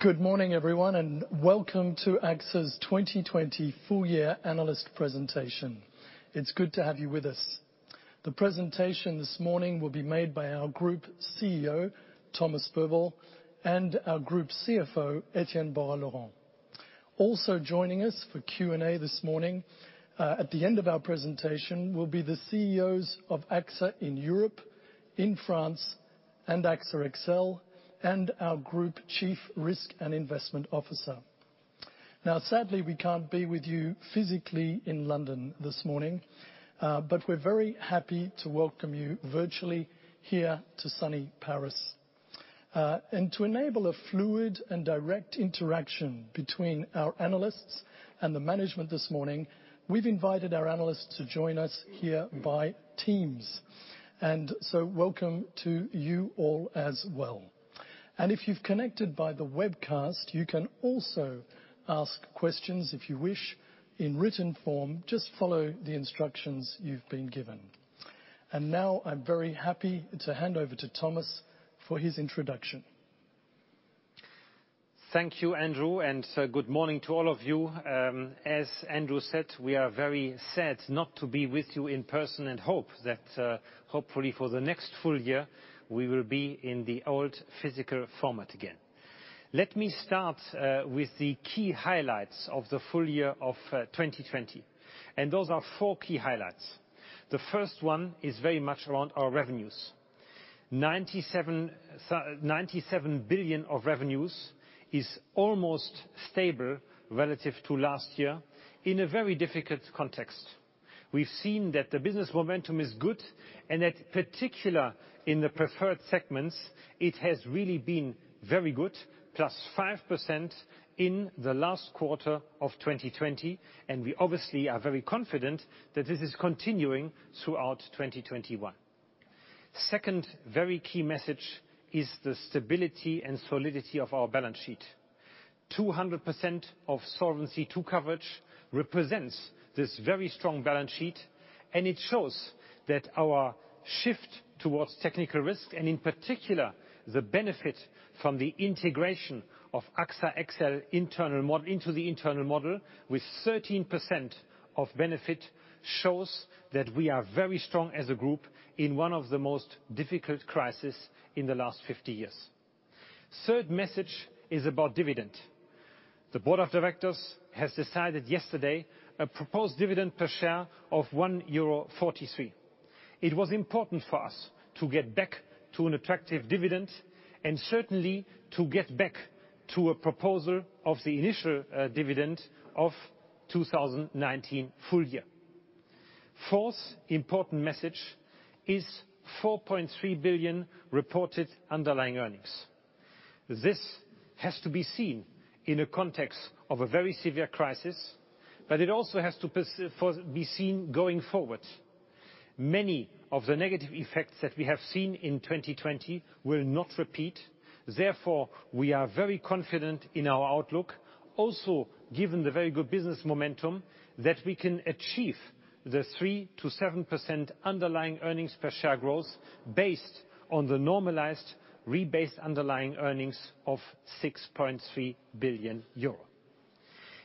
Good morning, everyone, welcome to AXA's 2020 full year analyst presentation. It's good to have you with us. The presentation this morning will be made by our Group CEO, Thomas Buberl, and our Group CFO, Etienne Bouas-Laurent. Also joining us for Q&A this morning, at the end of our presentation, will be the CEOs of AXA in Europe, in France, and AXA XL, and our Group Chief Risk and Investment Officer. Sadly, we can't be with you physically in London this morning. We're very happy to welcome you virtually here to sunny Paris. To enable a fluid and direct interaction between our analysts and the management this morning, we've invited our analysts to join us here by Teams. Welcome to you all as well. If you've connected by the webcast, you can also ask questions if you wish in written form. Just follow the instructions you've been given. Now I'm very happy to hand over to Thomas for his introduction. Thank you, Andrew, good morning to all of you. As Andrew said, we are very sad not to be with you in person and hope that hopefully for the next full year, we will be in the old physical format again. Let me start with the key highlights of the full year of 2020. Those are four key highlights. The first one is very much around our revenues. 97 billion of revenues is almost stable relative to last year in a very difficult context. We've seen that the business momentum is good, that particular in the preferred segments, it has really been very good, +5% in the last quarter of 2020. We obviously are very confident that this is continuing throughout 2021. Second very key message is the stability and solidity of our balance sheet. 200% of Solvency II coverage represents this very strong balance sheet. It shows that our shift towards technical risk, in particular, the benefit from the integration of AXA XL into the internal model with 13% of benefit, shows that we are very strong as a group in one of the most difficult crisis in the last 50 years. Third message is about dividend. The board of directors has decided yesterday a proposed dividend per share of 1.43 euro. It was important for us to get back to an attractive dividend, certainly to get back to a proposal of the initial dividend of 2019 full year. Fourth important message is 4.3 billion reported underlying earnings. This has to be seen in a context of a very severe crisis, it also has to be seen going forward. Many of the negative effects that we have seen in 2020 will not repeat. We are very confident in our outlook. Given the very good business momentum, that we can achieve the 3%-7% underlying earnings per share growth based on the normalized rebased underlying earnings of 6.3 billion euro.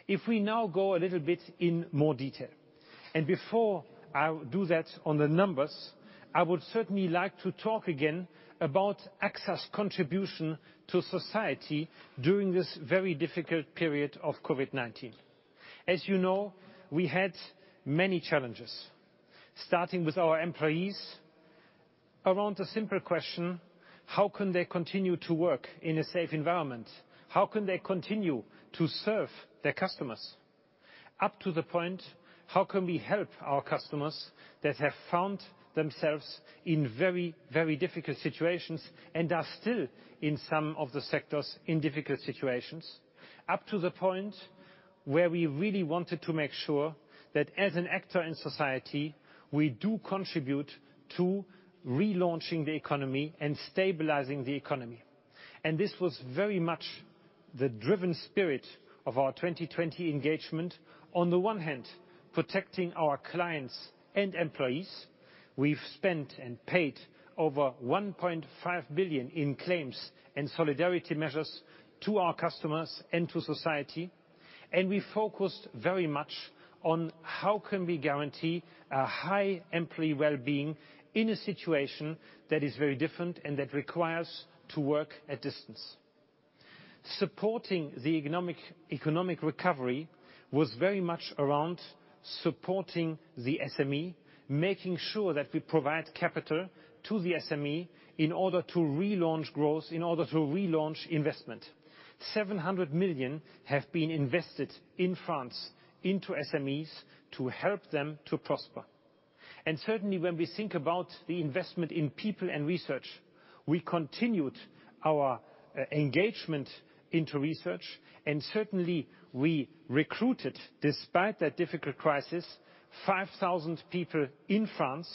If we now go a little bit in more detail, and before I do that on the numbers, I would certainly like to talk again about AXA's contribution to society during this very difficult period of COVID-19. As you know, we had many challenges, starting with our employees around a simple question: How can they continue to work in a safe environment? How can they continue to serve their customers? Up to the point, how can we help our customers that have found themselves in very difficult situations and are still in some of the sectors in difficult situations, up to the point where we really wanted to make sure that as an actor in society, we do contribute to relaunching the economy and stabilizing the economy. This was very much the driven spirit of our 2020 engagement. On the one hand, protecting our clients and employees. We've spent and paid over 1.5 billion in claims and solidarity measures to our customers and to society, and we focused very much on how can we guarantee a high employee well-being in a situation that is very different and that requires to work at distance. Supporting the economic recovery was very much around supporting the SME, making sure that we provide capital to the SME in order to relaunch growth, in order to relaunch investment. 700 million have been invested in France into SMEs to help them to prosper. Certainly, when we think about the investment in people and research, we continued our engagement into research, and certainly we recruited, despite that difficult crisis, 5,000 people in France,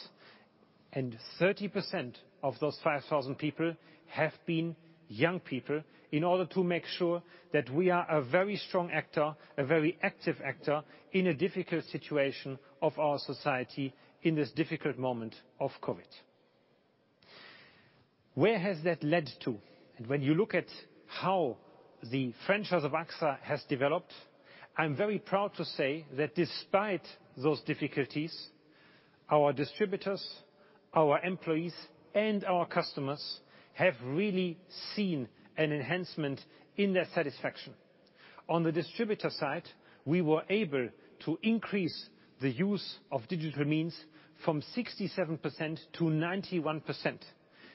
and 30% of those 5,000 people have been young people, in order to make sure that we are a very strong actor, a very active actor in a difficult situation of our society in this difficult moment of COVID. Where has that led to? When you look at how the franchise of AXA has developed, I'm very proud to say that despite those difficulties, our distributors, our employees, and our customers have really seen an enhancement in their satisfaction. On the distributor side, we were able to increase the use of digital means from 67% to 91%.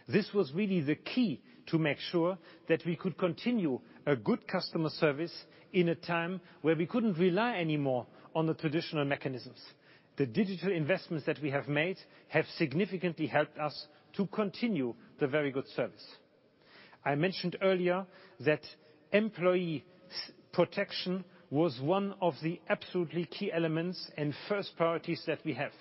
This was really the key to make sure that we could continue a good customer service in a time where we couldn't rely anymore on the traditional mechanisms. The digital investments that we have made have significantly helped us to continue the very good service. I mentioned earlier that employee protection was one of the absolutely key elements and first priorities that we have.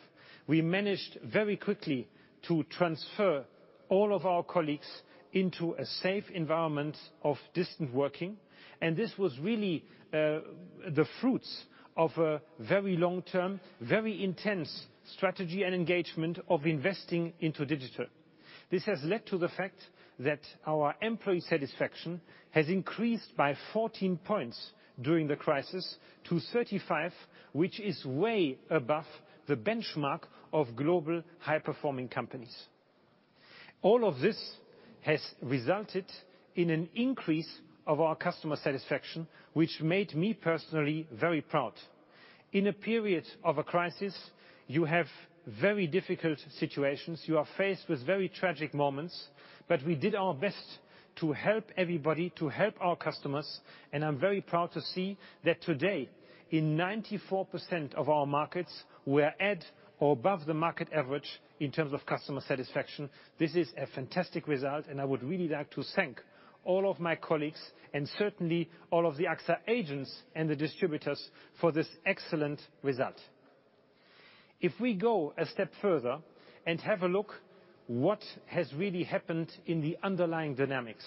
We managed very quickly to transfer all of our colleagues into a safe environment of distant working. This was really the fruits of a very long-term, very intense strategy and engagement of investing into digital. This has led to the fact that our employee satisfaction has increased by 14 points during the crisis to 35 points, which is way above the benchmark of global high-performing companies. All of this has resulted in an increase of our customer satisfaction, which made me personally very proud. In a period of a crisis, you have very difficult situations. You are faced with very tragic moments. We did our best to help everybody, to help our customers. I'm very proud to see that today, in 94% of our markets, we are at or above the market average in terms of customer satisfaction. This is a fantastic result, and I would really like to thank all of my colleagues and certainly all of the AXA agents and the distributors for this excellent result. If we go a step further and have a look what has really happened in the underlying dynamics,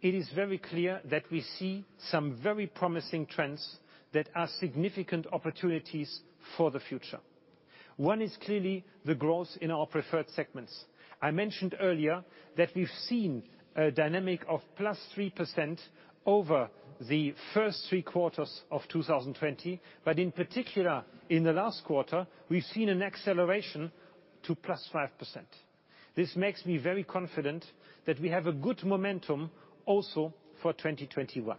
it is very clear that we see some very promising trends that are significant opportunities for the future. One is clearly the growth in our preferred segments. I mentioned earlier that we've seen a dynamic of +3% over the first three quarters of 2020. In particular, in the last quarter, we've seen an acceleration to +5%. This makes me very confident that we have a good momentum also for 2021.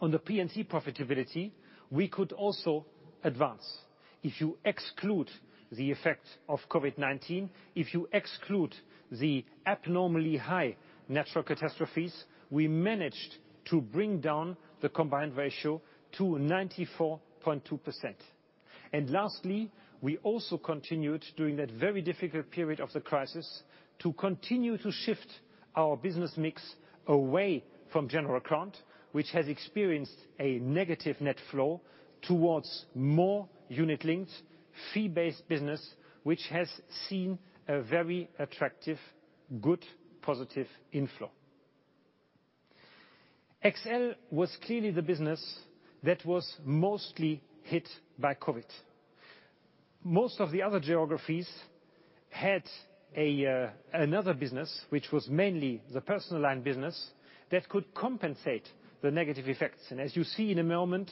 On the P&C profitability, we could also advance. If you exclude the effect of COVID-19, if you exclude the abnormally high natural catastrophes, we managed to bring down the combined ratio to 94.2%. Lastly, we also continued during that very difficult period of the crisis to continue to shift our business mix away from general account, which has experienced a negative net flow towards more unit links, fee-based business, which has seen a very attractive, good, positive inflow. XL was clearly the business that was mostly hit by COVID. Most of the other geographies had another business, which was mainly the personal line business, that could compensate the negative effects. As you see in a moment,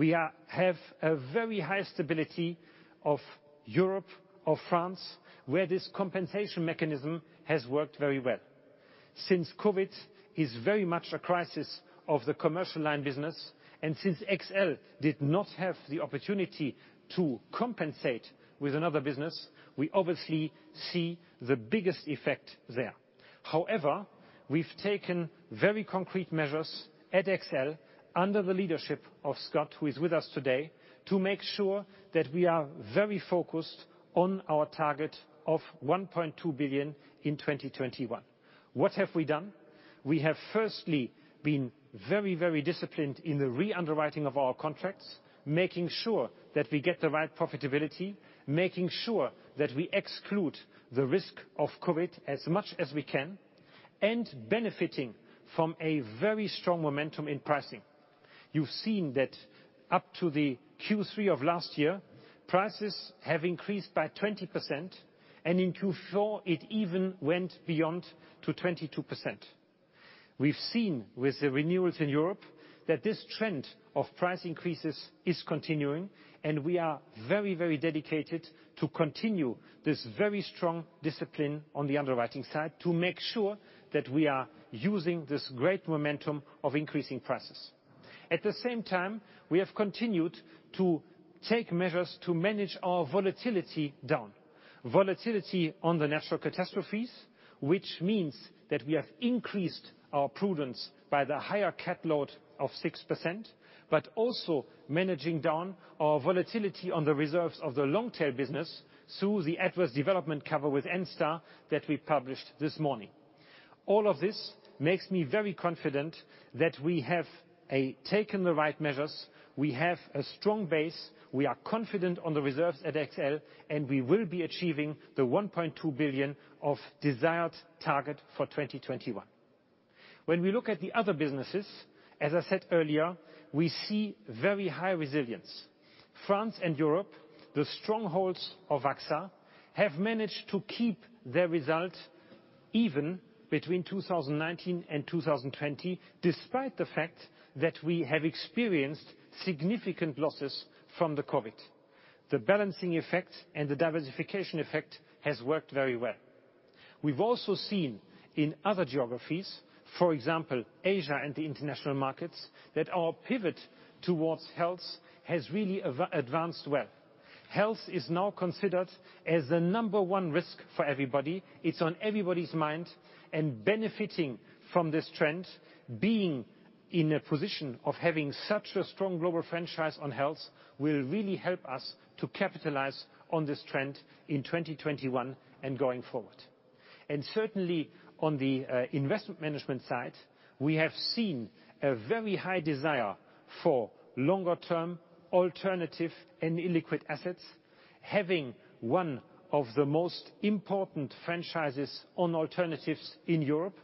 we have a very high stability of Europe, of France, where this compensation mechanism has worked very well. Since COVID is very much a crisis of the commercial line business, and since XL did not have the opportunity to compensate with another business, we obviously see the biggest effect there. However, we've taken very concrete measures at XL under the leadership of Scott, who is with us today, to make sure that we are very focused on our target of 1.2 billion in 2021. What have we done? We have firstly been very disciplined in the re-underwriting of our contracts, making sure that we get the right profitability, making sure that we exclude the risk of COVID as much as we can, and benefiting from a very strong momentum in pricing. You've seen that up to the Q3 of last year, prices have increased by 20%, and in Q4 it even went beyond to 22%. We've seen with the renewals in Europe that this trend of price increases is continuing, and we are very dedicated to continue this very strong discipline on the underwriting side to make sure that we are using this great momentum of increasing prices. At the same time, we have continued to take measures to manage our volatility down. Volatility on the natural catastrophes, which means that we have increased our prudence by the higher cat load of 6%, but also managing down our volatility on the reserves of the long-tail business through the adverse development cover with Enstar that we published this morning. All of this makes me very confident that we have taken the right measures. We have a strong base. We are confident on the reserves at XL, and we will be achieving the 1.2 billion of desired target for 2021. When we look at the other businesses, as I said earlier, we see very high resilience. France and Europe, the strongholds of AXA, have managed to keep their result even between 2019 and 2020, despite the fact that we have experienced significant losses from the COVID. The balancing effect and the diversification effect has worked very well. We've also seen in other geographies, for example, Asia and the international markets, that our pivot towards health has really advanced well. Health is now considered as the number one risk for everybody. It's on everybody's mind, and benefiting from this trend, being in a position of having such a strong global franchise on health will really help us to capitalize on this trend in 2021 and going forward. Certainly, on the investment management side, we have seen a very high desire for longer-term alternative and illiquid assets. Having one of the most important franchises on alternatives in Europe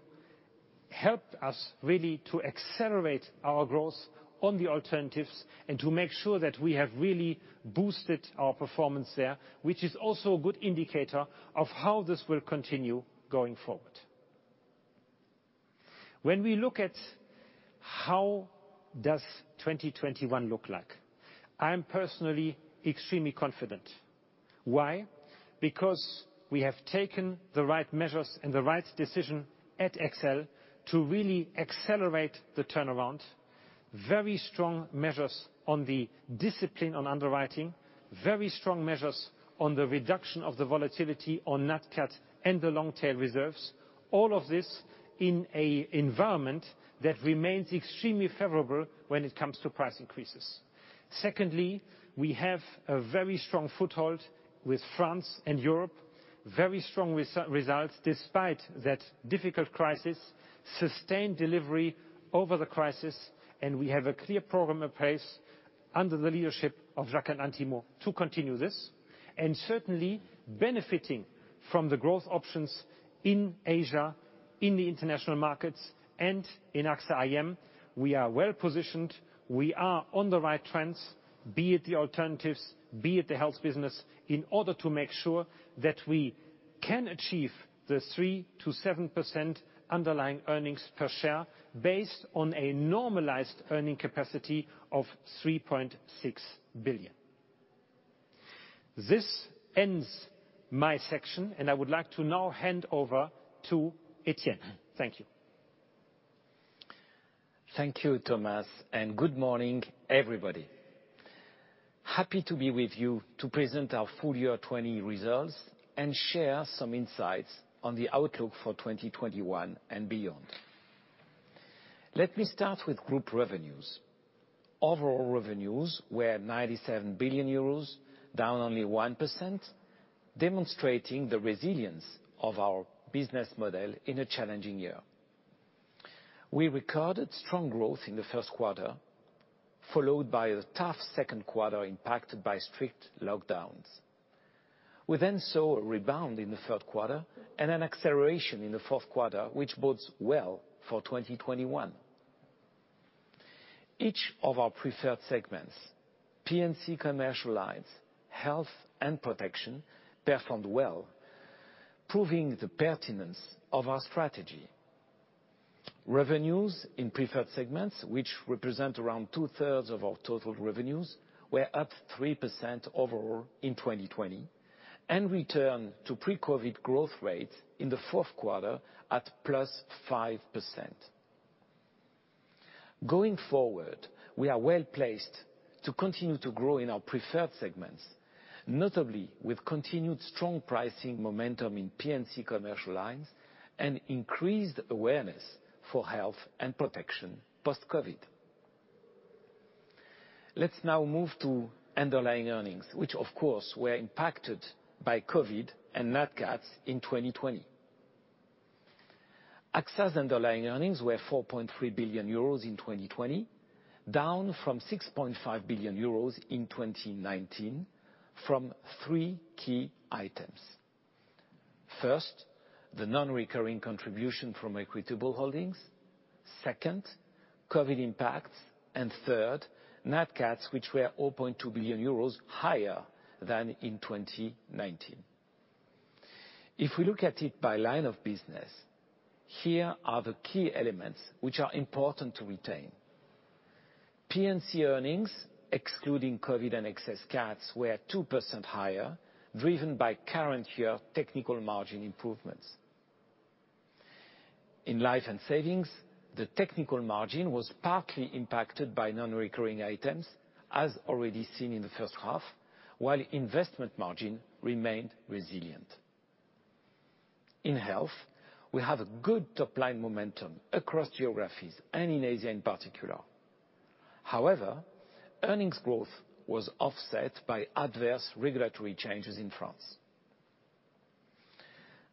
helped us really to accelerate our growth on the alternatives and to make sure that we have really boosted our performance there, which is also a good indicator of how this will continue going forward. When we look at how does 2021 look like, I am personally extremely confident. Why? Because we have taken the right measures and the right decision at XL to really accelerate the turnaround. Very strong measures on the discipline on underwriting, very strong measures on the reduction of the volatility on nat cat and the long-tail reserves. All of this in an environment that remains extremely favorable when it comes to price increases. Secondly, we have a very strong foothold with France and Europe, very strong results despite that difficult crisis, sustained delivery over the crisis, and we have a clear program in place under the leadership of Jacques and Antimo to continue this. Certainly, benefiting from the growth options in Asia, in the international markets, and in AXA IM. We are well positioned. We are on the right trends, be it the alternatives, be it the health business, in order to make sure that we can achieve the 3%-7% underlying earnings per share based on a normalized earning capacity of 3.6 billion. This ends my section, and I would like to now hand over to Etienne. Thank you. Thank you, Thomas. Good morning, everybody. Happy to be with you to present our full year 2020 results and share some insights on the outlook for 2021 and beyond. Let me start with group revenues. Overall revenues were 97 billion euros, down only 1%, demonstrating the resilience of our business model in a challenging year. We recorded strong growth in the first quarter, followed by a tough second quarter impacted by strict lockdowns. We saw a rebound in the third quarter and an acceleration in the fourth quarter, which bodes well for 2021. Each of our preferred segments, P&C Commercial Lines, Health, and Protection, performed well, proving the pertinence of our strategy. Revenues in preferred segments, which represent around 2/3 of our total revenues, were up 3% overall in 2020 and return to pre-COVID growth rate in the fourth quarter at +5%. Going forward, we are well-placed to continue to grow in our preferred segments, notably with continued strong pricing momentum in P&C Commercial Lines and increased awareness for COVID. Let's now move to underlying earnings, which of course were impacted by COVID and nat cats in 2020. AXA's underlying earnings were 4.3 billion euros in 2020, down from 6.5 billion euros in 2019 from three key items. First, the non-recurring contribution from Equitable Holdings. Second, COVID impacts, and third, nat cats, which were 0.2 billion euros higher than in 2019. If we look at it by line of business, here are the key elements which are important to retain. P&C earnings, excluding COVID and excess cats, were 2% higher, driven by current year technical margin improvements. In Life and Savings, the technical margin was partly impacted by non-recurring items, as already seen in the first half, while investment margin remained resilient. In Health, we have a good top-line momentum across geographies and in Asia in particular. Earnings growth was offset by adverse regulatory changes in France.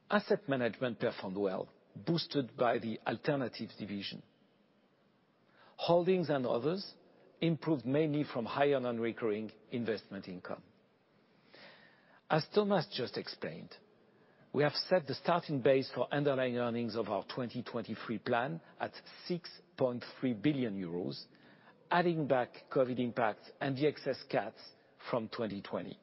Asset management performed well, boosted by the alternatives division. Holdings and others improved mainly from higher non-recurring investment income. As Thomas just explained, we have set the starting base for underlying earnings of our 2023 plan at 6.3 billion euros, adding back COVID impacts and the excess cats from 2020.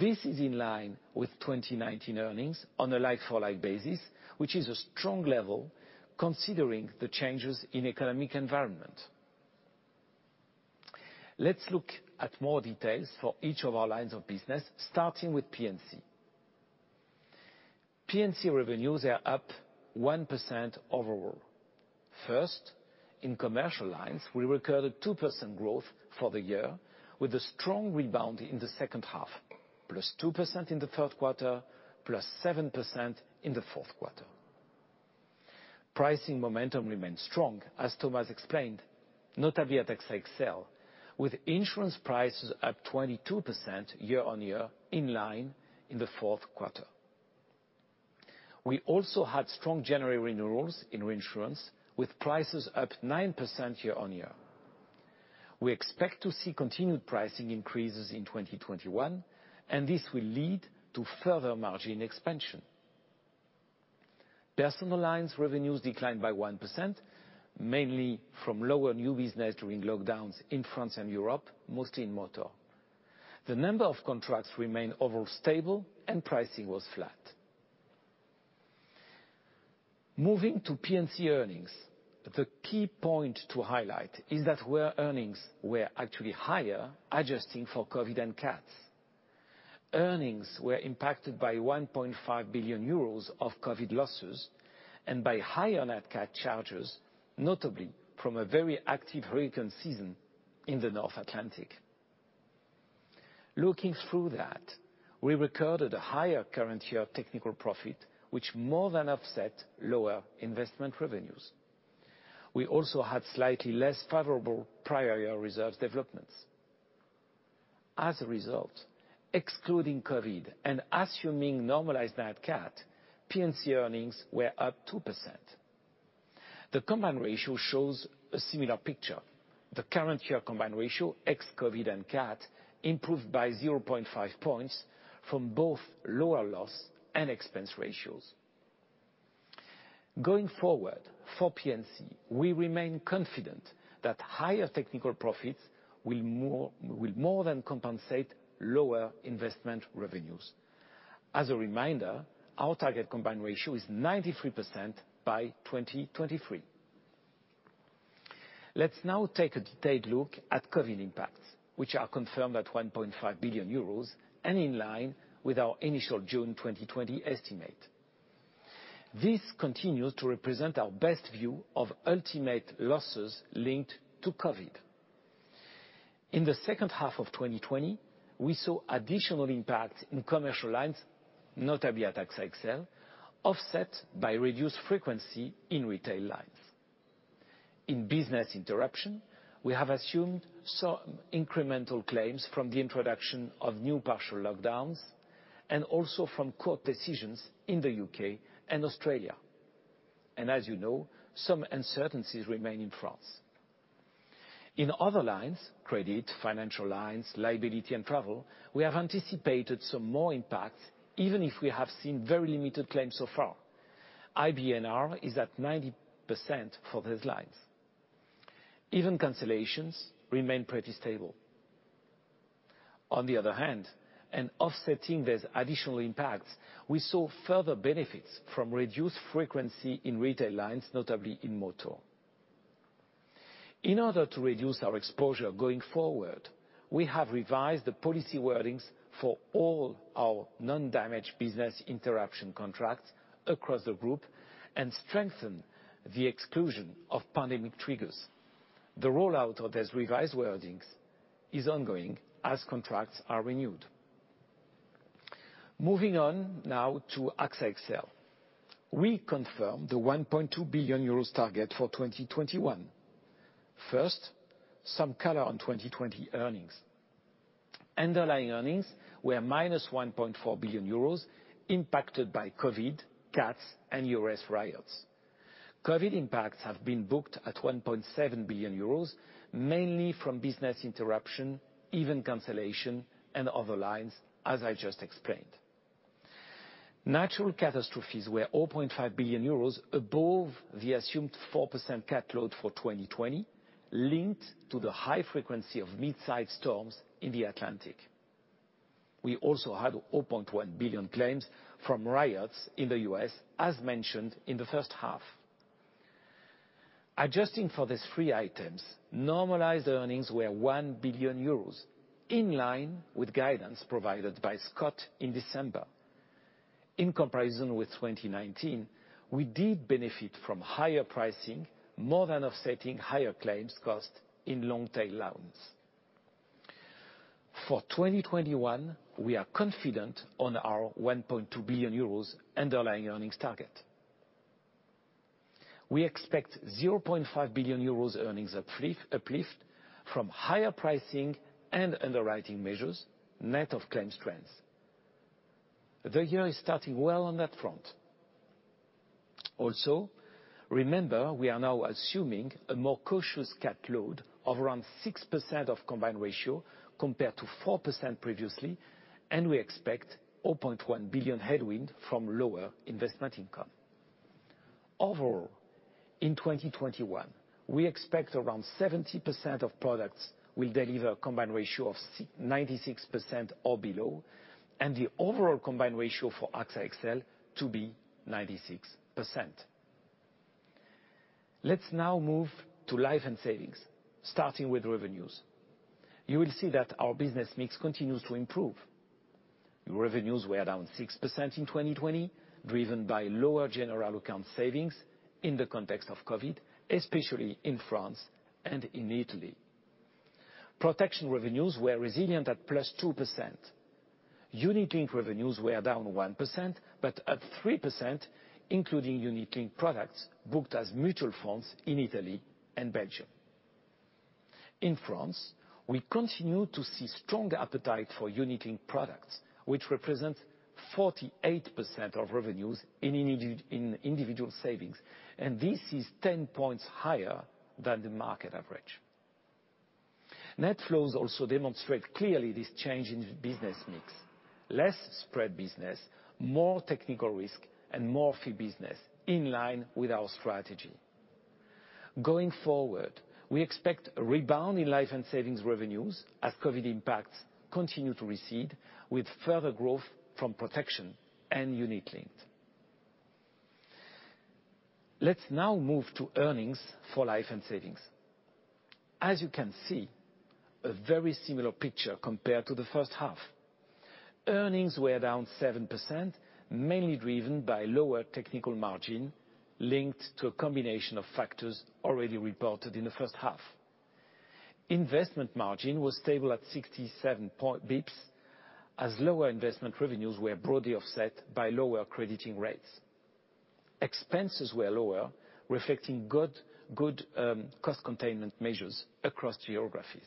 This is in line with 2019 earnings on a like-for-like basis, which is a strong level considering the changes in economic environment. Let's look at more details for each of our lines of business, starting with P&C. P&C revenues are up 1% overall. In commercial lines, we recorded 2% growth for the year with a strong rebound in the second half, +2% in the third quarter, +7% in the fourth quarter. Pricing momentum remains strong, as Thomas explained, notably at AXA XL, with insurance prices up 22% year-on-year, in line in the fourth quarter. We also had strong January renewals in reinsurance, with prices up 9% year-on-year. We expect to see continued pricing increases in 2021, and this will lead to further margin expansion. Personal lines revenues declined by 1%, mainly from lower new business during lockdowns in France and Europe, mostly in motor. The number of contracts remained overall stable, and pricing was flat. Moving to P&C earnings, the key point to highlight is that where earnings were actually higher, adjusting for COVID and cats. Earnings were impacted by 1.5 billion euros of COVID losses and by higher nat cat charges, notably from a very active hurricane season in the North Atlantic. Looking through that, we recorded a higher current year technical profit, which more than offset lower investment revenues. We also had slightly less favorable prior year reserves developments. As a result, excluding COVID and assuming normalized nat CAT, P&C earnings were up 2%. The combined ratio shows a similar picture. The current year combined ratio, ex-COVID and CAT, improved by 0.5 points from both lower loss and expense ratios. Going forward, for P&C, we remain confident that higher technical profits will more than compensate lower investment revenues. As a reminder, our target combined ratio is 93% by 2023. Let's now take a detailed look at COVID impacts, which are confirmed at 1.5 billion euros and in line with our initial June 2020 estimate. This continues to represent our best view of ultimate losses linked to COVID. In the second half of 2020, we saw additional impact in commercial lines, notably at AXA XL, offset by reduced frequency in retail lines. In business interruption, we have assumed some incremental claims from the introduction of new partial lockdowns and also from court decisions in the U.K. and Australia. As you know, some uncertainties remain in France. In other lines, credit, financial lines, liability, and travel, we have anticipated some more impact, even if we have seen very limited claims so far. IBNR is at 90% for these lines. Event cancellations remain pretty stable. On the other hand, and offsetting these additional impacts, we saw further benefits from reduced frequency in retail lines, notably in motor. In order to reduce our exposure going forward, we have revised the policy wordings for all our non-damage business interruption contracts across the group and strengthened the exclusion of pandemic triggers. The rollout of these revised wordings is ongoing as contracts are renewed. Moving on now to AXA XL. We confirm the 1.2 billion euros target for 2021. First, some color on 2020 earnings. Underlying earnings were minus 1.4 billion euros impacted by COVID, CATs, and U.S. riots. COVID impacts have been booked at 1.7 billion euros, mainly from business interruption, event cancellation, and other lines, as I just explained. Natural catastrophes were 4.5 billion euros above the assumed 4% CAT load for 2020, linked to the high frequency of mid-size storms in the Atlantic. We also had $0.1 billion claims from riots in the U.S., as mentioned in the first half. Adjusting for these three items, normalized earnings were 1 billion euros, in line with guidance provided by Scott in December. In comparison with 2019, we did benefit from higher pricing, more than offsetting higher claims cost in long-tail lines. For 2021, we are confident on our 1.2 billion euros underlying earnings target. We expect 0.5 billion euros earnings uplift from higher pricing and underwriting measures, net of claim strengths. The year is starting well on that front. Remember, we are now assuming a more cautious cat load of around 6% of combined ratio, compared to 4% previously, and we expect 0.1 billion headwind from lower investment income. Overall, in 2021, we expect around 70% of products will deliver combined ratio of 96% or below, and the overall combined ratio for AXA XL to be 96%. Let's now move to life and savings, starting with revenues. You will see that our business mix continues to improve. Revenues were down 6% in 2020, driven by lower general account savings in the context of COVID, especially in France and in Italy. Protection revenues were resilient at +2%. Unit linked revenues were down 1%, but up 3%, including unit linked products booked as mutual funds in Italy and Belgium. In France, we continue to see strong appetite for unit linked products, which represent 48% of revenues in individual savings. This is 10 points higher than the market average. Net flows also demonstrate clearly this change in business mix. Less spread business, more technical risk, and more fee business, in line with our strategy. Going forward, we expect a rebound in life and savings revenues as COVID impacts continue to recede, with further growth from protection and unit linked. Let's now move to earnings for life and savings. As you can see, a very similar picture compared to the first half. Earnings were down 7%, mainly driven by lower technical margin linked to a combination of factors already reported in the first half. Investment margin was stable at 67 basis points, as lower investment revenues were broadly offset by lower crediting rates. Expenses were lower, reflecting good cost containment measures across geographies.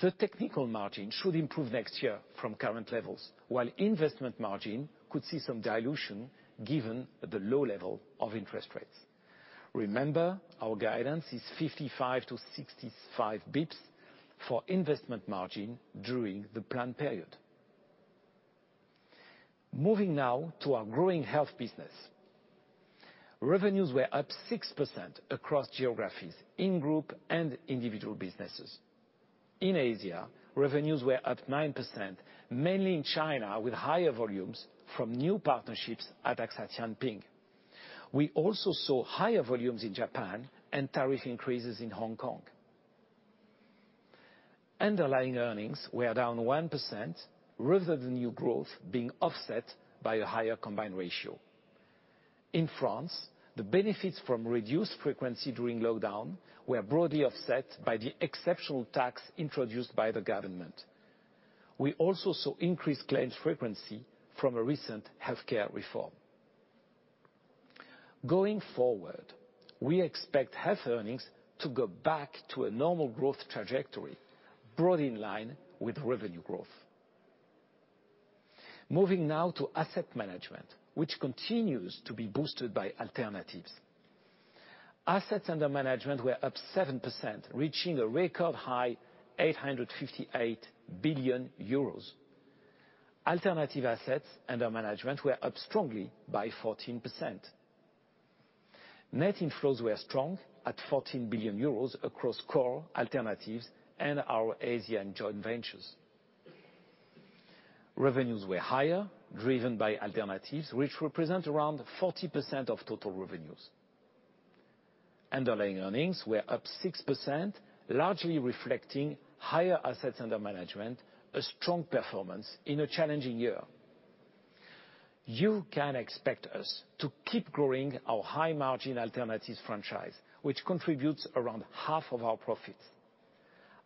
The technical margin should improve next year from current levels, while investment margin could see some dilution given the low level of interest rates. Remember, our guidance is 55 basis points-65 basis points for investment margin during the plan period. Moving now to our growing health business. Revenues were up 6% across geographies in group and individual businesses. In Asia, revenues were up 9%, mainly in China, with higher volumes from new partnerships at AXA Tianping. We also saw higher volumes in Japan and tariff increases in Hong Kong. Underlying earnings were down 1%, revenue growth being offset by a higher combined ratio. In France, the benefits from reduced frequency during lockdown were broadly offset by the exceptional tax introduced by the government. We also saw increased claims frequency from a recent healthcare reform. Going forward, we expect health earnings to go back to a normal growth trajectory, broadly in line with revenue growth. Moving now to asset management, which continues to be boosted by alternatives. Assets under management were up 7%, reaching a record high 858 billion euros. Alternative assets under management were up strongly by 14%. Net inflows were strong at 14 billion euros across core alternatives and our Asian joint ventures. Revenues were higher, driven by alternatives, which represent around 40% of total revenues. Underlying earnings were up 6%, largely reflecting higher assets under management, a strong performance in a challenging year. You can expect us to keep growing our high margin alternatives franchise, which contributes around half of our profits.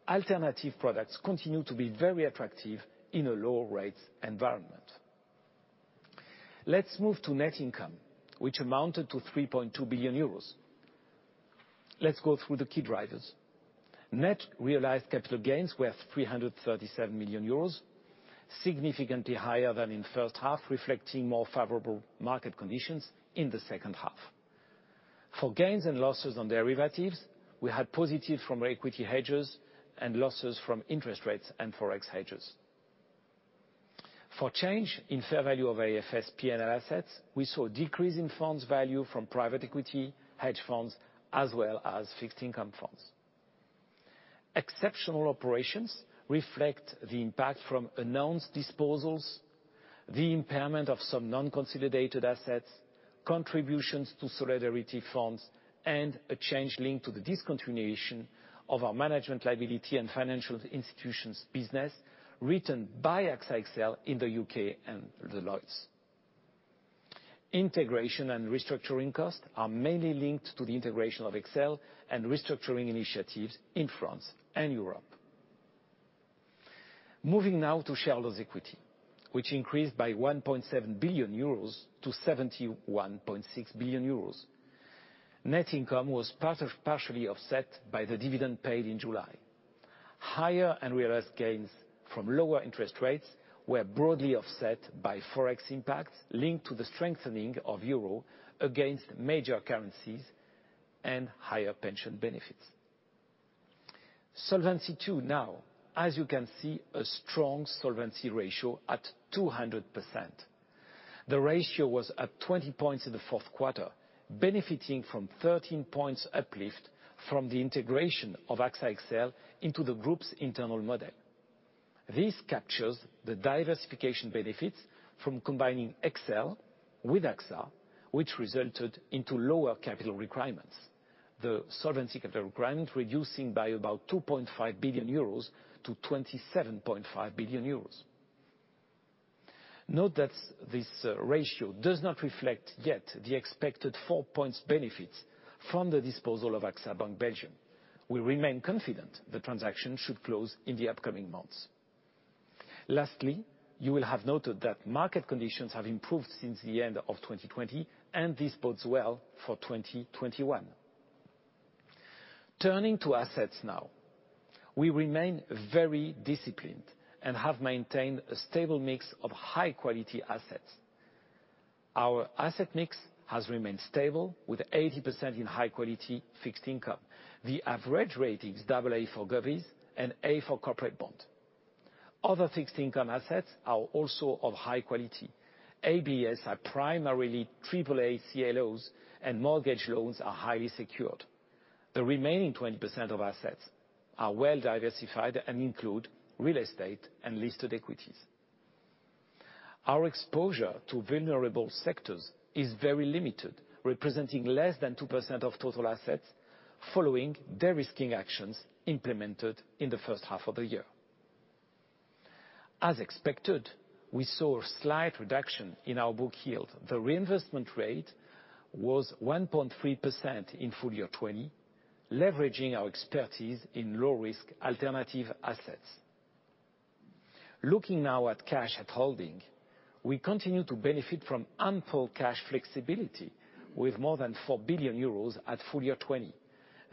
Alternative products continue to be very attractive in a low rate environment. Let's move to net income, which amounted to 3.2 billion euros. Let's go through the key drivers. Net realized capital gains were 337 million euros, significantly higher than in first half, reflecting more favorable market conditions in the second half. For gains and losses on derivatives, we had positive from equity hedges and losses from interest rates and Forex hedges. For change in fair value of AFS P&L assets, we saw a decrease in funds value from private equity, hedge funds, as well as fixed income funds. Exceptional operations reflect the impact from announced disposals, the impairment of some non-consolidated assets, contributions to solidarity funds, and a change linked to the discontinuation of our management liability and financial institutions business written by AXA XL in the U.K. and Lloyd's. Integration and restructuring costs are mainly linked to the integration of XL and restructuring initiatives in France and Europe. Moving now to shareholders' equity, which increased by 1.7 billion euros to 71.6 billion euros. Net income was partially offset by the dividend paid in July. Higher unrealized gains from lower interest rates were broadly offset by forex impact linked to the strengthening of euro against major currencies and higher pension benefits. Solvency II now. As you can see, a strong solvency ratio at 200%. The ratio was at 20 points in the fourth quarter, benefiting from 13 points uplift from the integration of AXA XL into the group's internal model. This captures the diversification benefits from combining XL with AXA, which resulted into lower capital requirements. The solvency capital requirement reducing by about 2.5 billion euros to 27.5 billion euros. Note that this ratio does not reflect yet the expected 4 points benefits from the disposal of AXA Bank Belgium. We remain confident the transaction should close in the upcoming months. Lastly, you will have noted that market conditions have improved since the end of 2020, and this bodes well for 2021. Turning to assets now. We remain very disciplined and have maintained a stable mix of high-quality assets. Our asset mix has remained stable with 80% in high-quality fixed income. The average rate is AA for govies and A for corporate bonds. Other fixed income assets are also of high quality. ABS are primarily AAA CLOs, and mortgage loans are highly secured. The remaining 20% of assets are well diversified and include real estate and listed equities. Our exposure to vulnerable sectors is very limited, representing less than 2% of total assets following de-risking actions implemented in the first half of the year. As expected, we saw a slight reduction in our book yield. The reinvestment rate was 1.3% in full year 2020, leveraging our expertise in low-risk alternative assets. Looking now at cash at holding, we continue to benefit from ample cash flexibility with more than 4 billion euros at full year 2020.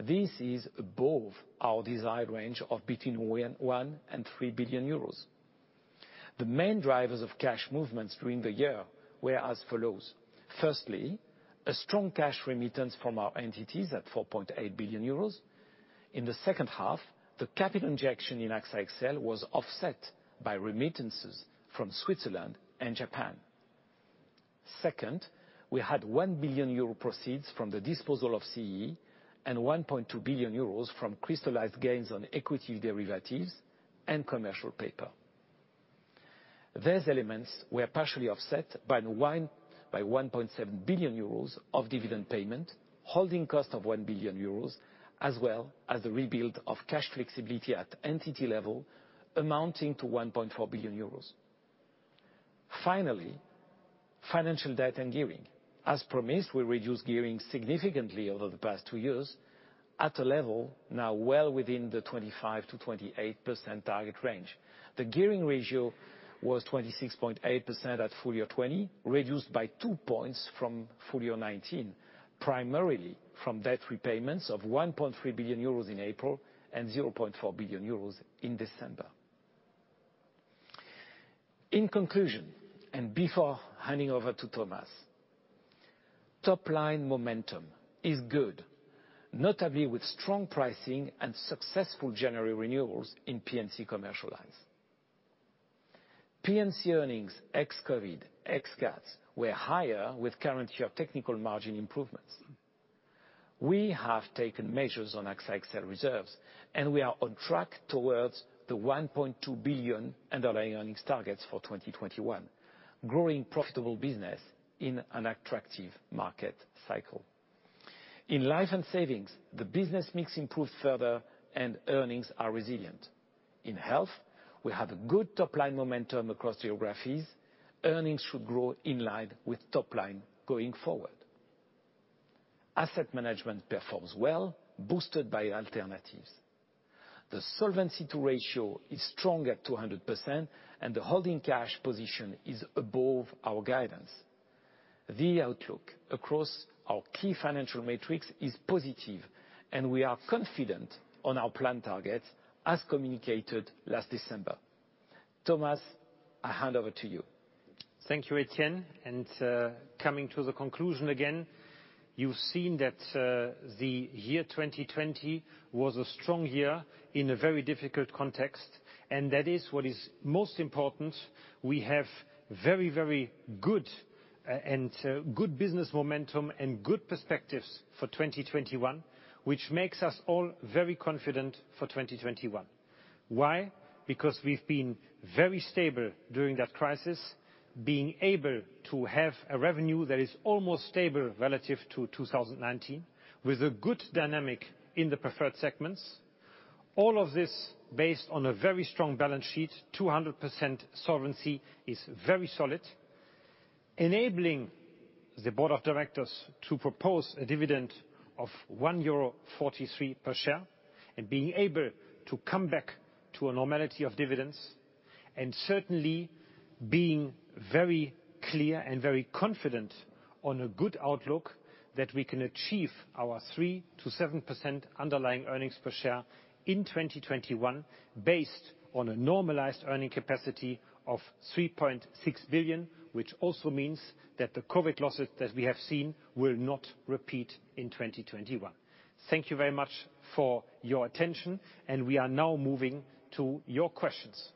This is above our desired range of between 1 billion and 3 billion euros. The main drivers of cash movements during the year were as follows. Firstly, a strong cash remittance from our entities at 4.8 billion euros. In the second half, the capital injection in AXA XL was offset by remittances from Switzerland and Japan. Second, we had 1 billion euro proceeds from the disposal of CEE and 1.2 billion euros from crystallized gains on equity derivatives and commercial paper. These elements were partially offset by 1.7 billion euros of dividend payment, holding cost of 1 billion euros, as well as the rebuild of cash flexibility at entity level amounting to 1.4 billion euros. Finally, financial debt and gearing. As promised, we reduced gearing significantly over the past two years at a level now well within the 25%-28% target range. The gearing ratio was 26.8% at full year 2020, reduced by 2 points from full year 2019, primarily from debt repayments of 1.3 billion euros in April and 0.4 billion euros in December. In conclusion, and before handing over to Thomas, top-line momentum is good, notably with strong pricing and successful January renewals in P&C Commercial lines. P&C earnings ex-COVID, ex-CATs were higher with current year technical margin improvements. We have taken measures on AXA XL reserves, and we are on track towards the 1.2 billion underlying earnings targets for 2021, growing profitable business in an attractive market cycle. In life and savings, the business mix improved further and earnings are resilient. In health, we have a good top-line momentum across geographies. Earnings should grow in line with top line going forward. Asset management performs well, boosted by alternatives. The Solvency II ratio is strong at 200%, and the holding cash position is above our guidance. The outlook across our key financial metrics is positive, and we are confident on our planned targets as communicated last December. Thomas, I hand over to you. Thank you, Etienne. Coming to the conclusion again, you've seen that the year 2020 was a strong year in a very difficult context, and that is what is most important. We have very good business momentum and good perspectives for 2021, which makes us all very confident for 2021. Why? Because we've been very stable during that crisis, being able to have a revenue that is almost stable relative to 2019 with a good dynamic in the preferred segments. All of this based on a very strong balance sheet, 200% solvency is very solid, enabling the board of directors to propose a dividend of 1.43 euro per share, and being able to come back to a normality of dividends, and certainly being very clear and very confident on a good outlook that we can achieve our 3%-7% underlying earnings per share in 2021, based on a normalized earning capacity of 3.6 billion. Which also means that the COVID losses that we have seen will not repeat in 2021. Thank you very much for your attention, and we are now moving to your questions.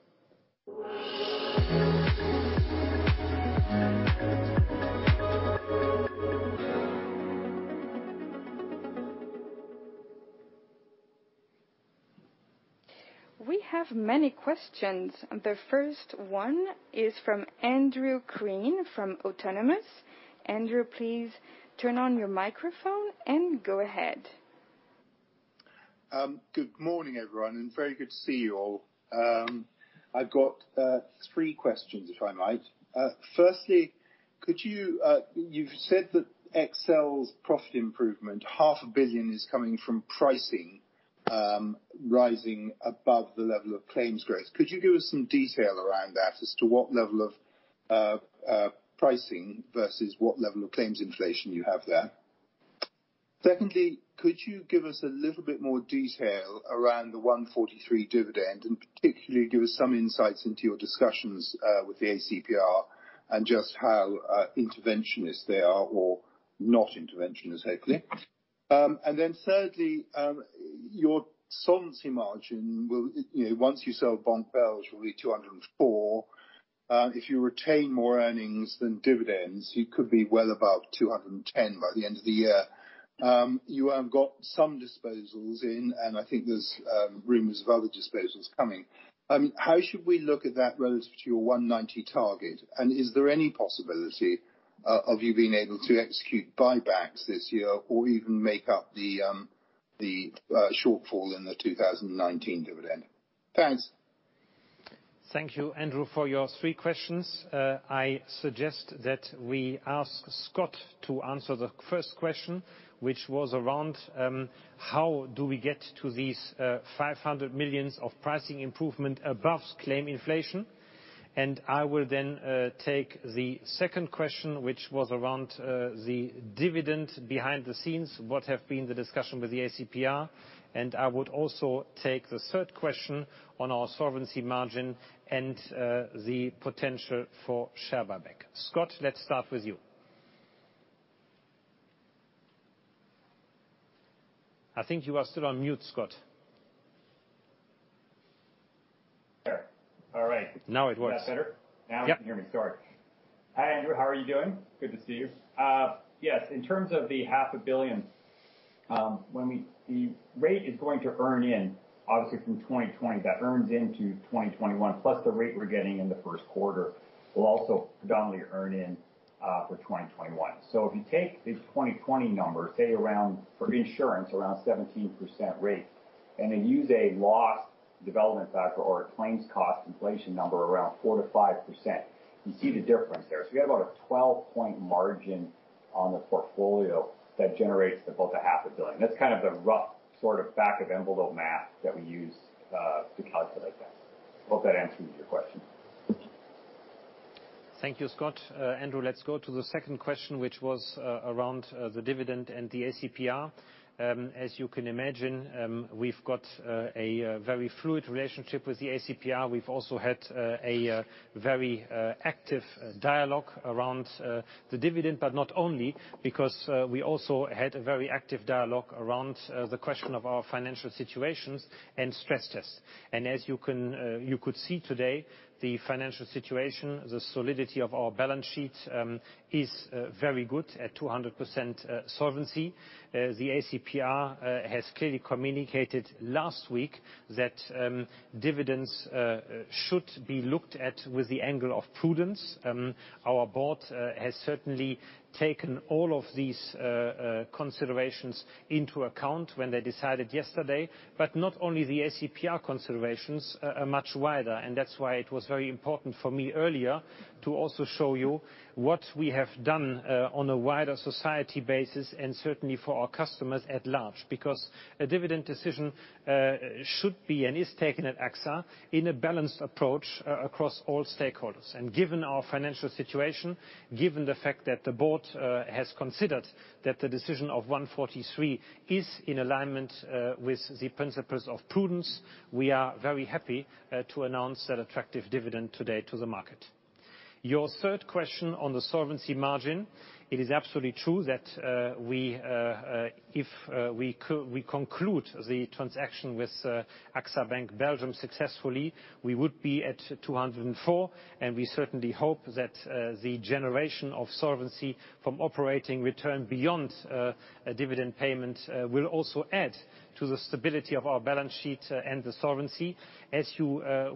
We have many questions. The first one is from Andrew Crean from Autonomous. Andrew, please turn on your microphone and go ahead. Good morning, everyone, very good to see you all. I've got three questions, if I might. Firstly, you've said that XL's profit improvement, 500 million is coming from pricing rising above the level of claims growth. Could you give us some detail around that as to what level of pricing versus what level of claims inflation you have there? Secondly, could you give us a little bit more detail around the 1.43 dividend, and particularly give us some insights into your discussions with the ACPR and just how interventionist they are or not interventionist, hopefully. Thirdly, your solvency margin, once you sell Bank Belgium will be 204%. If you retain more earnings than dividends, you could be well above 210% by the end of the year. You have got some disposals in, and I think there's rumors of other disposals coming. How should we look at that relative to your 190% target? Is there any possibility of you being able to execute buybacks this year or even make up the shortfall in the 2019 dividend? Thanks. Thank you, Andrew, for your three questions. I suggest that we ask Scott to answer the first question, which was around how do we get to these 500 million of pricing improvement above claim inflation. I will then take the second question, which was around the dividend behind the scenes, what have been the discussion with the ACPR. I would also take the third question on our solvency margin and the potential for share buyback. Scott, let's start with you. I think you are still on mute, Scott. There. All right. Now it works. Is that better? Yep. Now you can hear me. Sorry. Hi, Andrew. How are you doing? Good to see you. In terms of the 500 million, the rate is going to earn in, obviously, from 2020. That earns into 2021, plus the rate we're getting in the first quarter will also predominantly earn in for 2021. If you take the 2020 number, say around for the insurance, around 17% rate, and then use a loss development factor or a claims cost inflation number around 4%-5%, you see the difference there. We have about a 12-point margin on the portfolio that generates about 500 million. That's the rough back of envelope math that we use to calculate that. Hope that answers your question. Thank you, Scott. Andrew, let's go to the second question, which was around the dividend and the ACPR. As you can imagine, we've got a very fluid relationship with the ACPR. We've also had a very active dialogue around the dividend, but not only because we also had a very active dialogue around the question of our financial situations and stress test. As you could see today, the financial situation, the solidity of our balance sheet is very good at 200% solvency. The ACPR has clearly communicated last week that dividends should be looked at with the angle of prudence. Our board has certainly taken all of these considerations into account when they decided yesterday, but not only the ACPR considerations, much wider. That's why it was very important for me earlier to also show you what we have done on a wider society basis and certainly for our customers at large. Because a dividend decision should be and is taken at AXA in a balanced approach across all stakeholders. Given our financial situation, given the fact that the board has considered that the decision of 1.43 is in alignment with the principles of prudence, we are very happy to announce that attractive dividend today to the market. Your third question on the solvency margin, it is absolutely true that if we conclude the transaction with AXA Bank Belgium successfully, we would be at 204%, and we certainly hope that the generation of solvency from operating return beyond dividend payment will also add to the stability of our balance sheet and the solvency. As you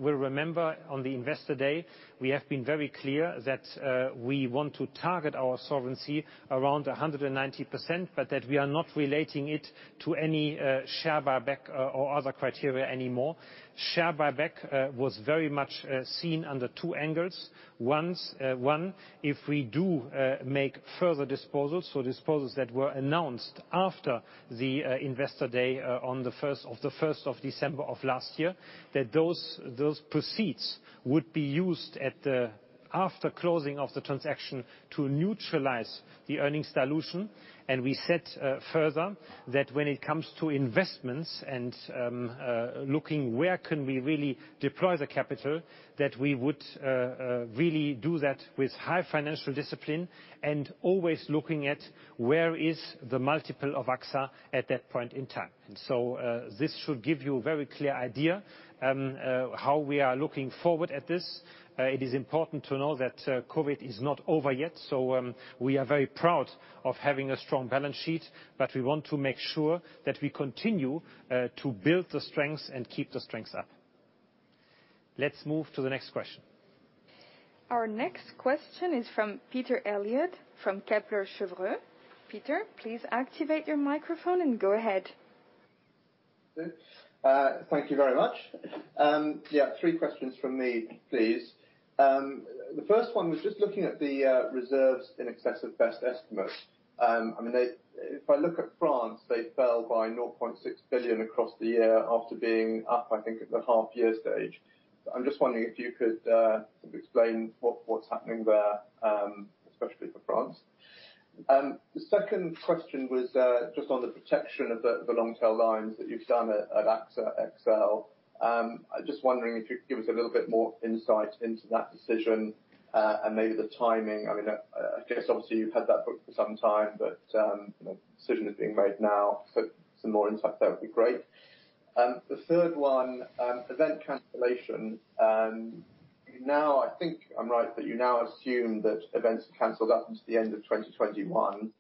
will remember on the Investor Day, we have been very clear that we want to target our solvency around 190%, that we are not relating it to any share buyback or other criteria anymore. Share buyback was very much seen under two angles. One, if we do make further disposals. Disposals that were announced after the Investor Day on the 1st of December of last year, that those proceeds would be used after closing of the transaction to neutralize the earnings dilution. We said further that when it comes to investments and looking where can we really deploy the capital, that we would really do that with high financial discipline and always looking at where is the multiple of AXA at that point in time. This should give you a very clear idea how we are looking forward at this. It is important to know that COVID is not over yet, so we are very proud of having a strong balance sheet, but we want to make sure that we continue to build the strengths and keep the strengths up. Let's move to the next question. Our next question is from Peter Eliot, from Kepler Cheuvreux. Peter, please activate your microphone and go ahead. Thank you very much. Three questions from me, please. The first one was just looking at the reserves in excess of best estimates. If I look at France, they fell by 0.6 billion across the year after being up, I think, at the half-year stage. I'm just wondering if you could sort of explain what's happening there, especially for France. The second question was just on the protection of the long tail lines that you've done at AXA XL. I'm just wondering if you could give us a little bit more insight into that decision, and maybe the timing. I guess obviously you've had that book for some time, but the decision is being made now, so some more insight there would be great. The third one, event cancellation? I think I'm right that you now assume that events are canceled up until the end of 2021,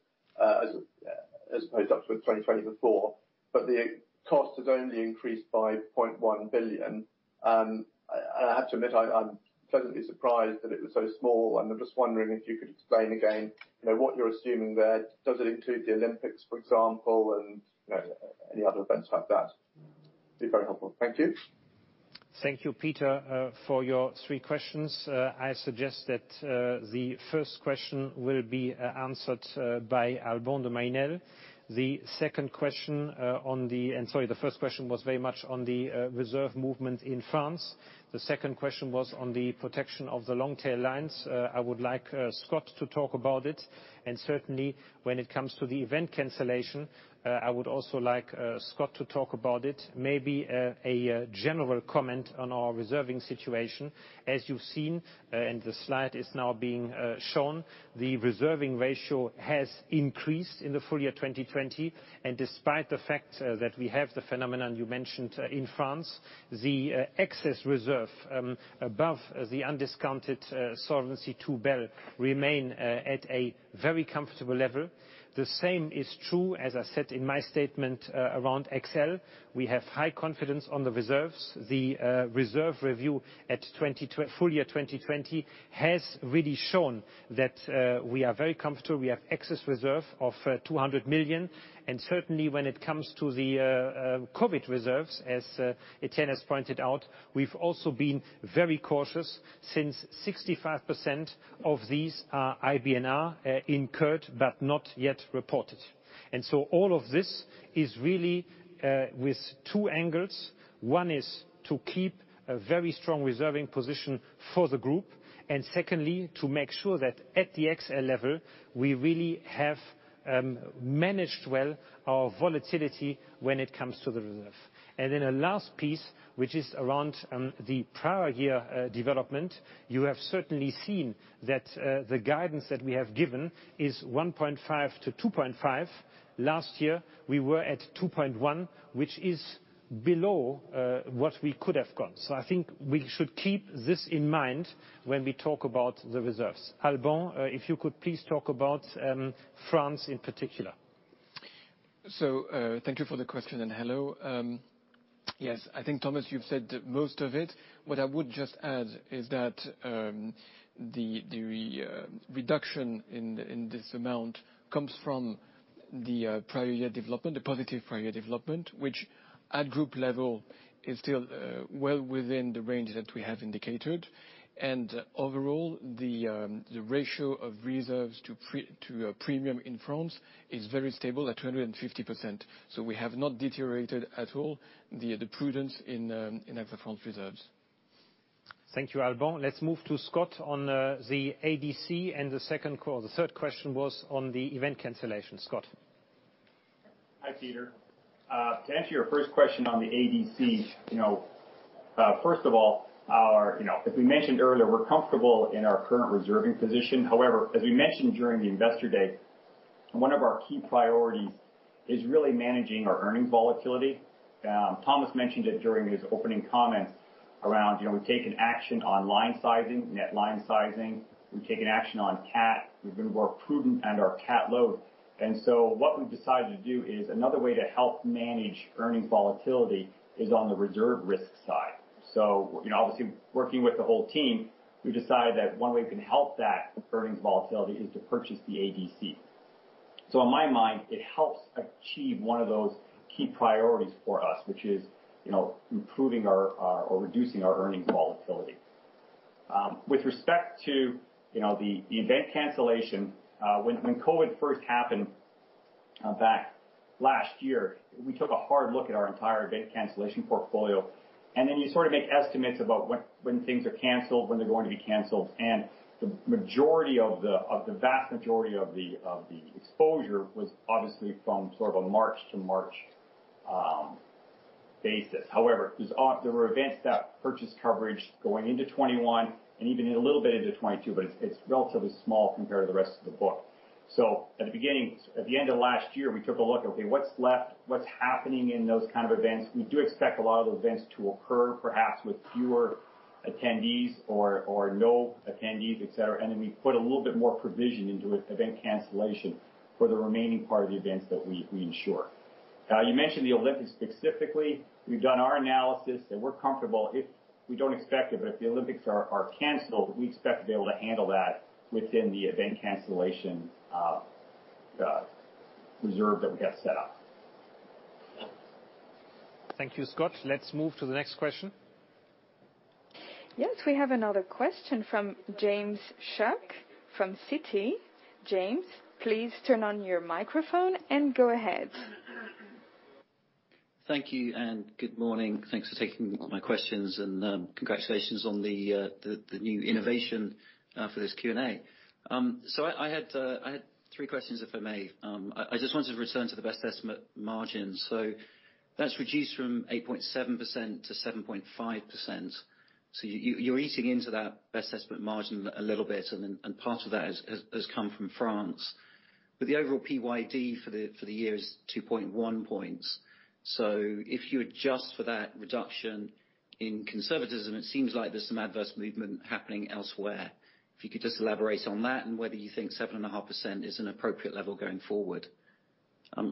as opposed up to 2024. The cost has only increased by 0.1 billion. I have to admit, I'm pleasantly surprised that it was so small, and I'm just wondering if you could explain again what you're assuming there. Does it include the Olympics, for example, and any other events like that? It would be very helpful. Thank you. Thank you, Peter, for your three questions. I suggest that the first question will be answered by Alban de Mailly Nesle. The second question, the first question was very much on the reserve movement in France. The second question was on the protection of the long tail lines. I would like Scott to talk about it, and certainly, when it comes to the event cancellation, I would also like Scott to talk about it. Maybe a general comment on our reserving situation. As you've seen, and the slide is now being shown, the reserving ratio has increased in the full year 2020. Despite the fact that we have the phenomenon you mentioned in France, the excess reserve above the undiscounted Solvency II level remain at a very comfortable level. The same is true, as I said in my statement around XL, we have high confidence on the reserves. The reserve review at full year 2020 has really shown that we are very comfortable. We have excess reserve of 200 million, and certainly when it comes to the COVID reserves, as Etienne has pointed out, we've also been very cautious since 65% of these are IBNR, incurred but not yet reported. All of this is really with two angles. One is to keep a very strong reserving position for the group. Secondly, to make sure that at the XL level, we really have managed well our volatility when it comes to the reserve. A last piece, which is around the prior year development, you have certainly seen that the guidance that we have given is 1.5 billion-2.5 billion. Last year, we were at 2.1 billion, which is below what we could have gone. I think we should keep this in mind when we talk about the reserves. Alban, if you could please talk about France in particular. Thank you for the question, and hello. Yes, I think, Thomas, you've said most of it. What I would just add is that the reduction in this amount comes from the prior year development, the positive prior year development, which at group level, is still well within the range that we have indicated. Overall, the ratio of reserves to premium in France is very stable at 250%. We have not deteriorated at all the prudence in AXA France reserves. Thank you, Alban. Let's move to Scott on the ADC and the second call. The third question was on the event cancellation. Scott. Hi, Peter. To answer your first question on the ADC, first of all, as we mentioned earlier, we're comfortable in our current reserving position. As we mentioned during the Investor Day, one of our key priorities is really managing our earnings volatility. Thomas mentioned it during his opening comments around we've taken action on line sizing, net line sizing. We've taken action on CAT, we've been more prudent and our CAT load. What we've decided to do is another way to help manage earnings volatility is on the reserve risk side. Obviously, working with the whole team, we've decided that one way we can help that, the earnings volatility, is to purchase the ADC. On my mind, it helps achieve one of those key priorities for us, which is improving or reducing our earnings volatility. With respect to the event cancellation, when COVID first happened back last year, we took a hard look at our entire event cancellation portfolio. Then you sort of make estimates about when things are canceled, when they're going to be canceled, and the vast majority of the exposure was obviously from sort of a March to March basis. However, there were events that purchased coverage going into 2021 and even a little bit into 2022, but it's relatively small compared to the rest of the book. At the end of last year, we took a look, okay, what's left? What's happening in those kind of events? We do expect a lot of events to occur, perhaps with fewer attendees or no attendees, et cetera. We put a little bit more provision into event cancellation for the remaining part of the events that we insure. You mentioned the Olympics specifically. We have done our analysis, and we are comfortable, we do not expect it, but if the Olympics are canceled, we expect to be able to handle that within the event cancellation reserve that we have set up. Thank you, Scott. Let's move to the next question. Yes, we have another question from James Shuck from Citi. James, please turn on your microphone and go ahead. Thank you. Good morning. Thanks for taking my questions, and congratulations on the new innovation for this Q&A. I had three questions, if I may. I just wanted to return to the best estimate margins. That's reduced from 8.7% to 7.5%. You're eating into that best estimate margin a little bit, and part of that has come from France. The overall PYD for the year is 2.1 points. If you adjust for that reduction in conservatism, it seems like there's some adverse movement happening elsewhere. If you could just elaborate on that and whether you think 7.5% is an appropriate level going forward.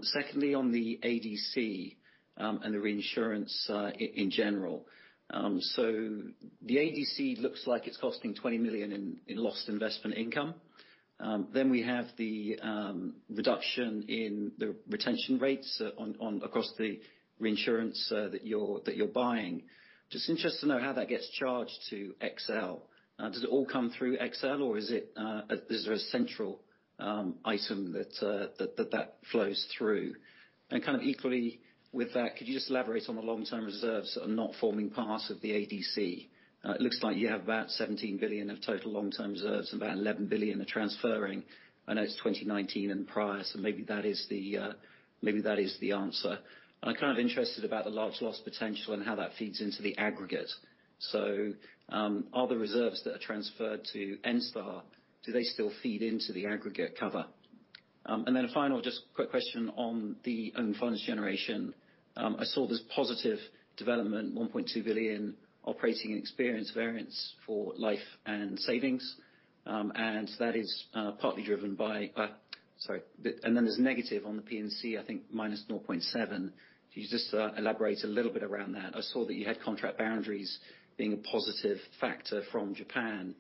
Secondly, on the ADC, and the reinsurance in general. The ADC looks like it's costing 20 million in lost investment income. We have the reduction in the retention rates across the reinsurance that you're buying. Just interested to know how that gets charged to XL. Does it all come through XL, or is there a central item that flows through? Equally with that, could you just elaborate on the long-term reserves that are not forming part of the ADC? It looks like you have about 17 billion of total long-term reserves, about 11 billion are transferring. I know it's 2019 and prior, maybe that is the answer. I'm kind of interested about the large loss potential and how that feeds into the aggregate. Are the reserves that are transferred to Enstar, do they still feed into the aggregate cover? A final, just quick question on the own funds generation. I saw this positive development, 1.2 billion operating experience variance for life and savings. There's a negative on the P&C, I think -0.7 billion. Could you just elaborate a little bit around that? I saw that you had contract boundaries being a positive factor from Japan.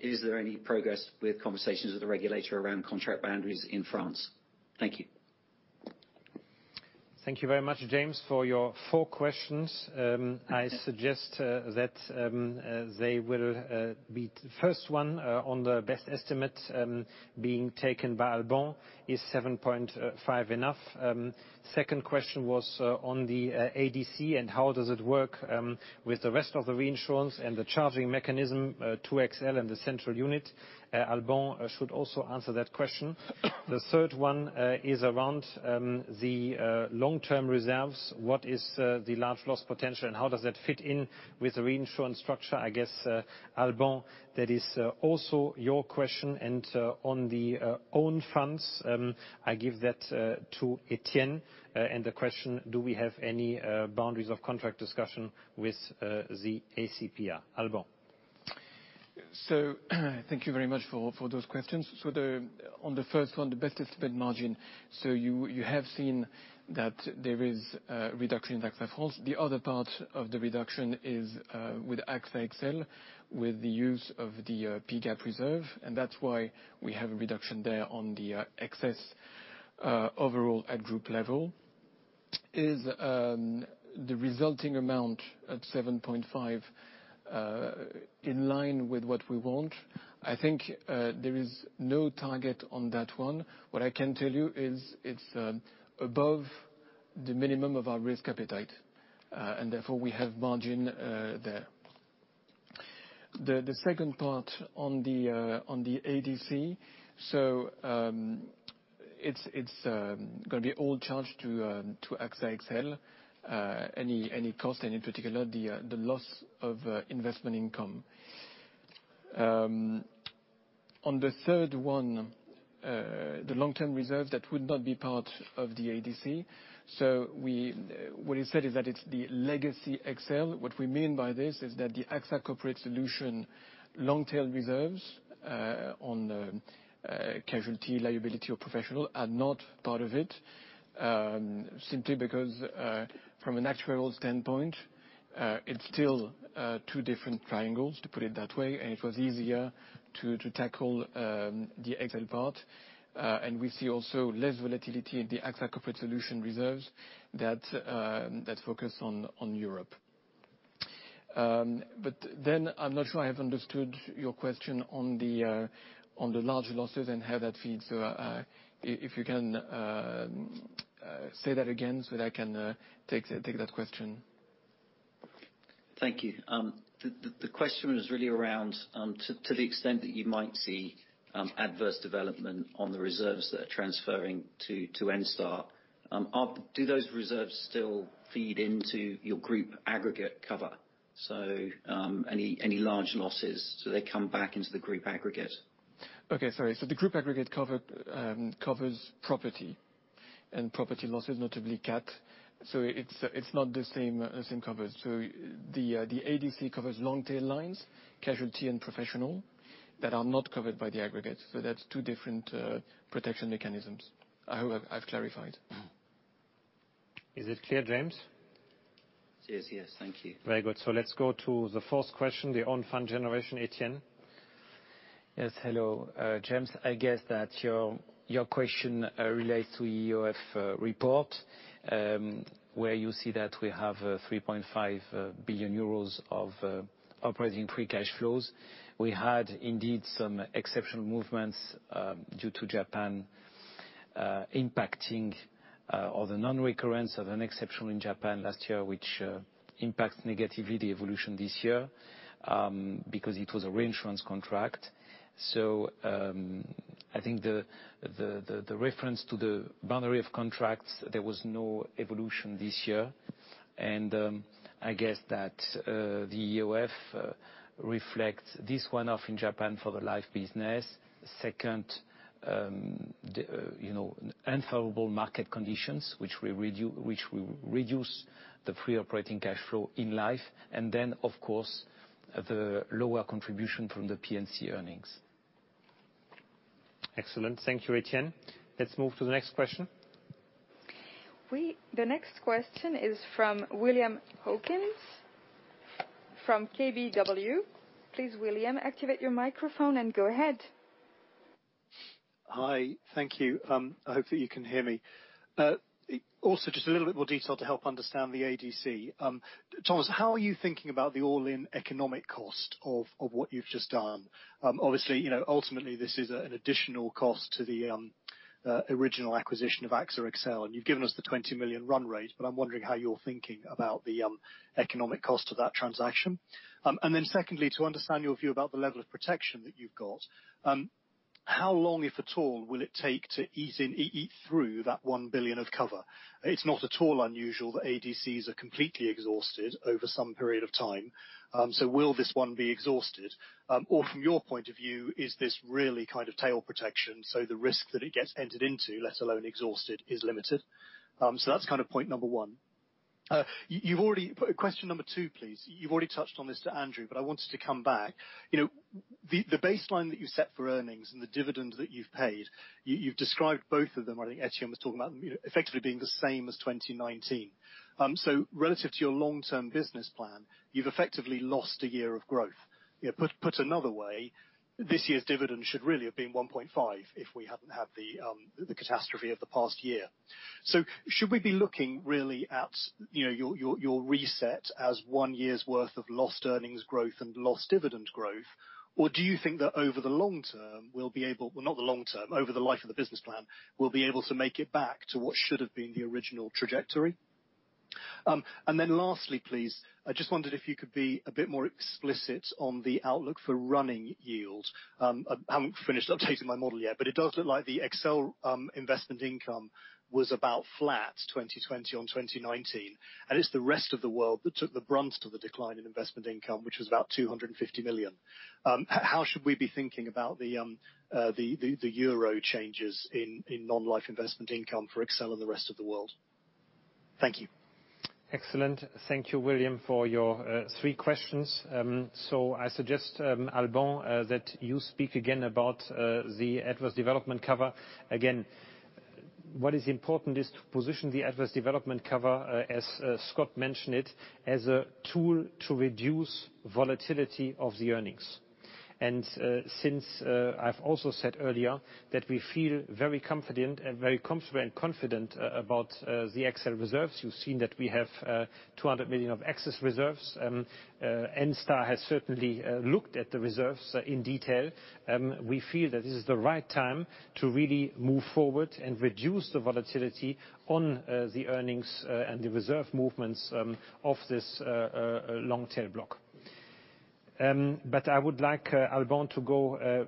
Is there any progress with conversations with the regulator around contract boundaries in France? Thank you. Thank you very much, James, for your four questions. I suggest that they will be, first one on the best estimate being taken by Alban, is 7.5% enough? Second question was on the ADC, and how does it work with the rest of the reinsurance and the charging mechanism to XL and the central unit. Alban should also answer that question. The third one is around the long-term reserves. What is the large loss potential, and how does that fit in with the reinsurance structure? I guess, Alban, that is also your question. And on the own funds, I give that to Etienne. And the question, do we have any boundaries of contract discussion with the ACPR? Alban. Thank you very much for those questions. On the first one, the best estimate margin, you have seen that there is a reduction in AXA France. The other part of the reduction is with AXA XL, with the use of the P-GAAP reserve, and that's why we have a reduction there on the excess overall at group level. Is the resulting amount at 7.5% in line with what we want? I think there is no target on that one. What I can tell you is it's above the minimum of our risk appetite. Therefore, we have margin there. The second part on the ADC, it's going to be all charged to AXA XL, any cost, any particular, the loss of investment income. On the third one, the long-term reserve, that would not be part of the ADC. What is said is that it is the legacy XL. What we mean by this is that the AXA Corporate Solutions long-tail reserves on casualty, liability, or professional are not part of it. Simply because, from an actuarial standpoint, it is still two different triangles, to put it that way, and it was easier to tackle the XL part. We see also less volatility in the AXA Corporate Solutions reserves that focus on Europe. I am not sure I have understood your question on the large losses and how that feeds. If you can say that again so that I can take that question. Thank you. The question was really around to the extent that you might see adverse development on the reserves that are transferring to Enstar. Do those reserves still feed into your group aggregate cover? Any large losses, do they come back into the group aggregate? Okay, sorry. The group aggregate cover covers property and property losses, notably cat. It's not the same covers. The ADC covers long tail lines, casualty and professional, that are not covered by the aggregate. That's two different protection mechanisms. I hope I've clarified. Is it clear, James? It is, yes. Thank you. Very good. Let's go to the first question, the own fund generation, Etienne. Yes. Hello, James. I guess that your question relates to EOF report, where you see that we have 3.5 billion euros of operating free cash flows. We had, indeed, some exceptional movements due to Japan impacting, or the non-recurrence of an exception in Japan last year, which impacts negatively the evolution this year, because it was a reinsurance contract. I think the reference to the boundary of contracts, there was no evolution this year. I guess that the EOF reflects this one-off in Japan for the life business. Second, unfavorable market conditions, which will reduce the free operating cash flow in life. Of course, the lower contribution from the P&C earnings. Excellent. Thank you, Etienne. Let's move to the next question. The next question is from William Hawkins from KBW. Please, William, activate your microphone and go ahead. Hi. Thank you. I hope that you can hear me. Just a little bit more detail to help understand the ADC. Thomas, how are you thinking about the all-in economic cost of what you've just done? Obviously, ultimately, this is an additional cost to the original acquisition of AXA XL. You've given us the 20 million run rate, but I'm wondering how you're thinking about the economic cost of that transaction. Secondly, to understand your view about the level of protection that you've got, how long, if at all, will it take to eat through that 1 billion of cover? It's not at all unusual that ADCs are completely exhausted over some period of time. Will this one be exhausted? From your point of view, is this really tail protection, so the risk that it gets entered into, let alone exhausted, is limited? That's point number one. Question number two, please. You've already touched on this to Andrew, I wanted to come back. The baseline that you set for earnings and the dividend that you've paid, you've described both of them, I think Etienne was talking about them, effectively being the same as 2019. Relative to your long-term business plan, you've effectively lost a year of growth. Put another way, this year's dividend should really have been 1.5 if we hadn't had the catastrophe of the past year. Should we be looking really at your reset as one year's worth of lost earnings growth and lost dividend growth? Do you think that over the life of the business plan, we'll be able to make it back to what should have been the original trajectory? Lastly, please, I just wondered if you could be a bit more explicit on the outlook for running yield. I haven't finished updating my model yet, but it does look like the XL investment income was about flat 2020 on 2019, and it's the rest of the world that took the brunt of the decline in investment income, which was about 250 million. How should we be thinking about the euro changes in non-life investment income for XL and the rest of the world? Thank you. Excellent. Thank you, William, for your three questions. I suggest, Alban, that you speak again about the adverse development cover. Again, what is important is to position the adverse development cover, as Scott mentioned it, as a tool to reduce volatility of the earnings. Since I've also said earlier that we feel very confident about the XL reserves, you've seen that we have 200 million of excess reserves. Enstar has certainly looked at the reserves in detail. We feel that this is the right time to really move forward and reduce the volatility on the earnings and the reserve movements of this long tail block. I would like Alban to go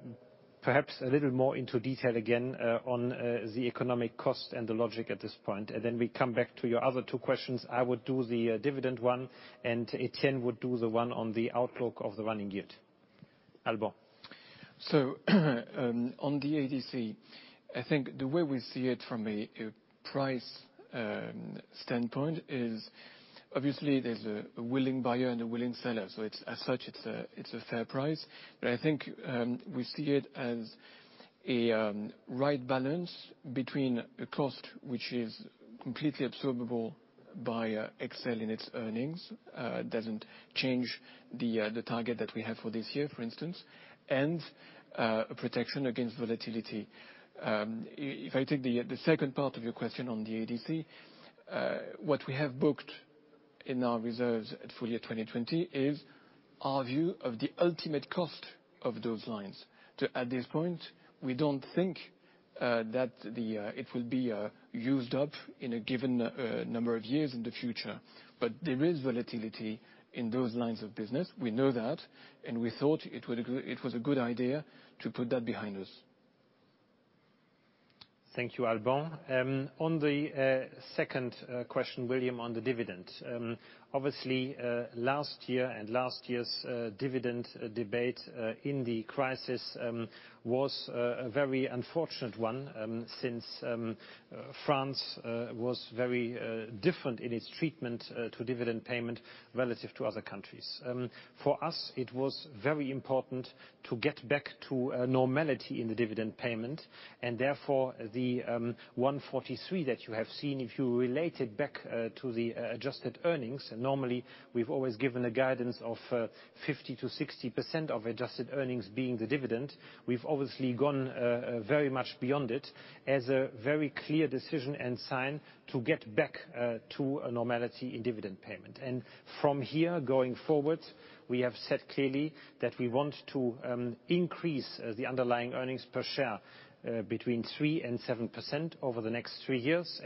perhaps a little more into detail again on the economic cost and the logic at this point, and then we come back to your other two questions. I would do the dividend one, and Etienne would do the one on the outlook of the running yield. Alban. On the ADC, I think the way we see it from a price standpoint is obviously there's a willing buyer and a willing seller. As such, it's a fair price. I think we see it as a right balance between a cost which is completely absorbable by XL in its earnings. It doesn't change the target that we have for this year, for instance, and protection against volatility. If I take the second part of your question on the ADC, what we have booked in our reserves at full year 2020 is our view of the ultimate cost of those lines. At this point, we don't think that it will be used up in a given number of years in the future. There is volatility in those lines of business, we know that, and we thought it was a good idea to put that behind us. Thank you, Alban. On the second question, William, on the dividend. Obviously, last year and last year's dividend debate in the crisis was a very unfortunate one since France was very different in its treatment to dividend payment relative to other countries. For us, it was very important to get back to normality in the dividend payment, and therefore, the 1.43 that you have seen, if you relate it back to the adjusted earnings, normally we've always given a guidance of 50%-60% of adjusted earnings being the dividend. We've obviously gone very much beyond it as a very clear decision and sign to get back to a normality in dividend payment. From here going forward, we have said clearly that we want to increase the underlying earnings per share between 3% and 7% over the next three years.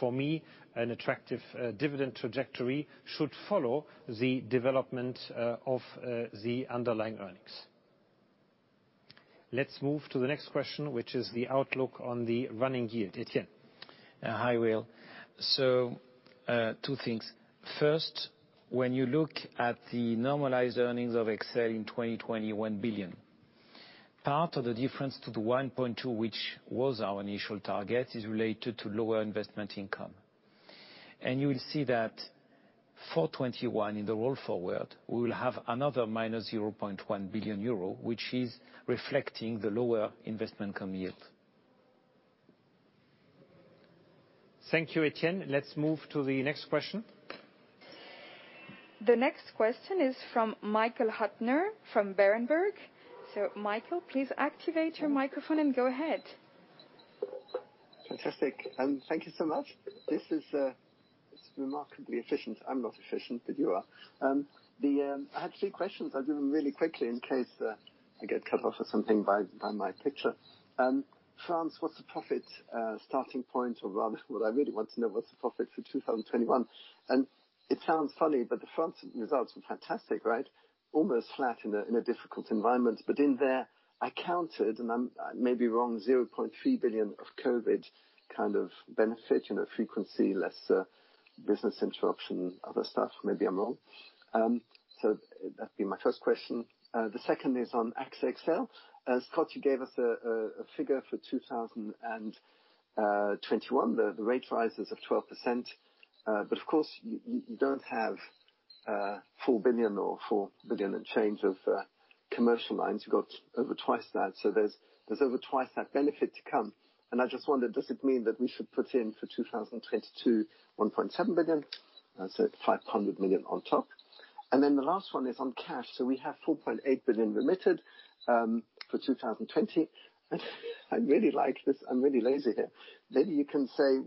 For me, an attractive dividend trajectory should follow the development of the underlying earnings. Let's move to the next question, which is the outlook on the running yield. Etienne. Hi, Will. Two things. First, when you look at the normalized earnings of XL in 2020, 1 billion. Part of the difference to the 1.2 billion, which was our initial target, is related to lower investment income. You will see that for 2021 in the roll forward, we will have another minus 0.1 billion euro, which is reflecting the lower investment income yield. Thank you, Etienne. Let's move to the next question. The next question is from Michael Huttner from Berenberg. Michael, please activate your microphone and go ahead. Fantastic. Thank you so much. This is remarkably efficient. I'm not efficient, but you are. I had three questions. I'll do them really quickly in case I get cut off or something by my picture. France, what's the profit starting point, or rather, what I really want to know, what's the profit for 2021? It sounds funny, but the France results were fantastic, right? Almost flat in a difficult environment. In there, I counted, and I may be wrong, 0.3 billion of COVID kind of benefit, frequency, less business interruption, other stuff. Maybe I'm wrong. That'd be my first question. The second is on AXA XL. As Scott, you gave us a figure for 2021, the rate rises of 12%. Of course, you don't have 4 billion or 4 billion and change of commercial lines. You've got over twice that. There's over twice that benefit to come. I just wondered, does it mean that we should put in for 2022, 1.7 billion? 500 million on top. The last one is on cash. We have 4.8 billion remitted for 2020. I really like this. I'm really lazy here. Maybe you can say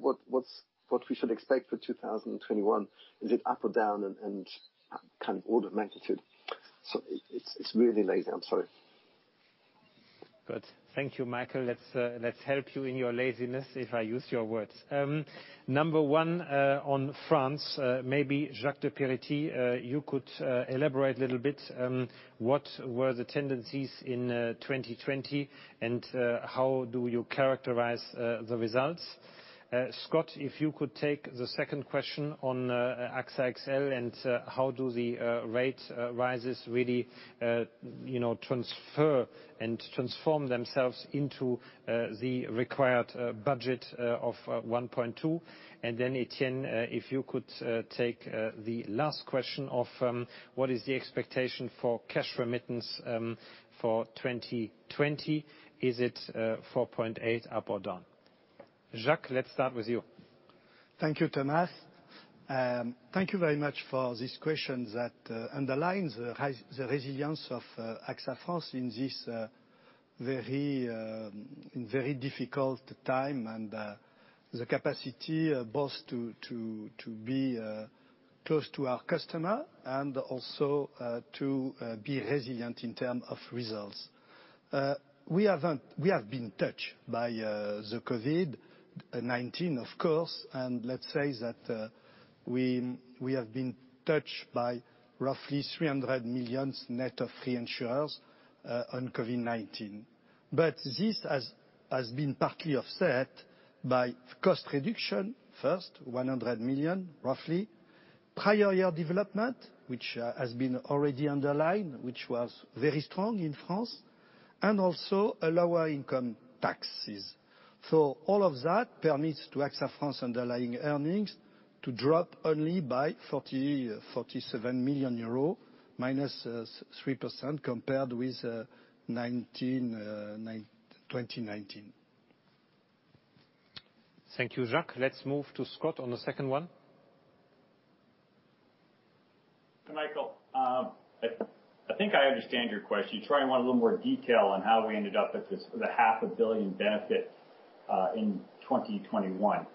what we should expect for 2021. Is it up or down and kind of order of magnitude. It's really lazy, I'm sorry. Good. Thank you, Michael. Let's help you in your laziness, if I use your words. Number one, on France, maybe Jacques de Peretti, you could elaborate a little bit, what were the tendencies in 2020, and how do you characterize the results? Scott, if you could take the second question on AXA XL and how do the rate rises really transfer and transform themselves into the required budget of 1.2 billion. Etienne, if you could take the last question of what is the expectation for cash remittance for 2020. Is it 4.8 billion up or down? Jacques, let's start with you. Thank you, Thomas. Thank you very much for this question that underlines the resilience of AXA France in this very difficult time and the capacity both to be close to our customer and also to be resilient in term of results. We have been touched by the COVID-19, of course, and let's say that we have been touched by roughly 300 million net of reinsurers on COVID-19. This has been partly offset by cost reduction, first, 100 million, roughly. Prior year development, which has been already underlined, which was very strong in France, and also a lower income taxes. All of that permits to AXA France underlying earnings to drop only by 47 million euros, -3% compared with 2019. Thank you, Jacques. Let's move to Scott on the second one. Michael, I think I understand your question. You probably want a little more detail on how we ended up at the 500 million benefit in 2021.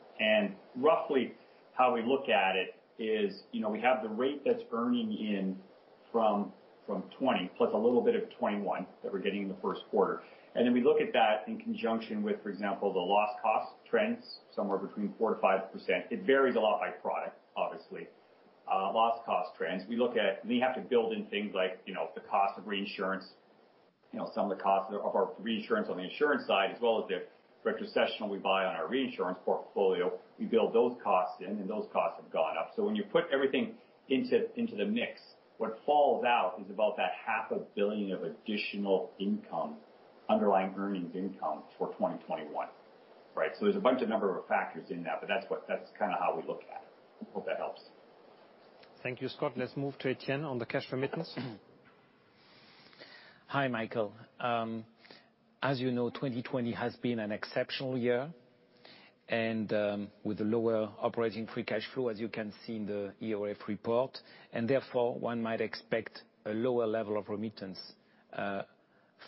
Roughly how we look at it is, we have the rate that's earning in from 2020, plus a little bit of 2021 that we're getting in the first quarter. We look at that in conjunction with, for example, the loss cost trends, somewhere between 4%-5%. It varies a lot by product, obviously. We have to build in things like the cost of reinsurance, some of the cost of our reinsurance on the insurance side, as well as the retrocession we buy on our reinsurance portfolio. We build those costs in, and those costs have gone up. When you put everything into the mix, what falls out is about that 500 million of additional income, underlying earnings income for 2021. Right? There's a bunch of number of factors in that, but that's kind of how we look at it. Hope that helps. Thank you, Scott. Let's move to Etienne on the cash remittance. Hi, Michael. As you know, 2020 has been an exceptional year, and with the lower operating free cash flow, as you can see in the EOF report, and therefore one might expect a lower level of remittance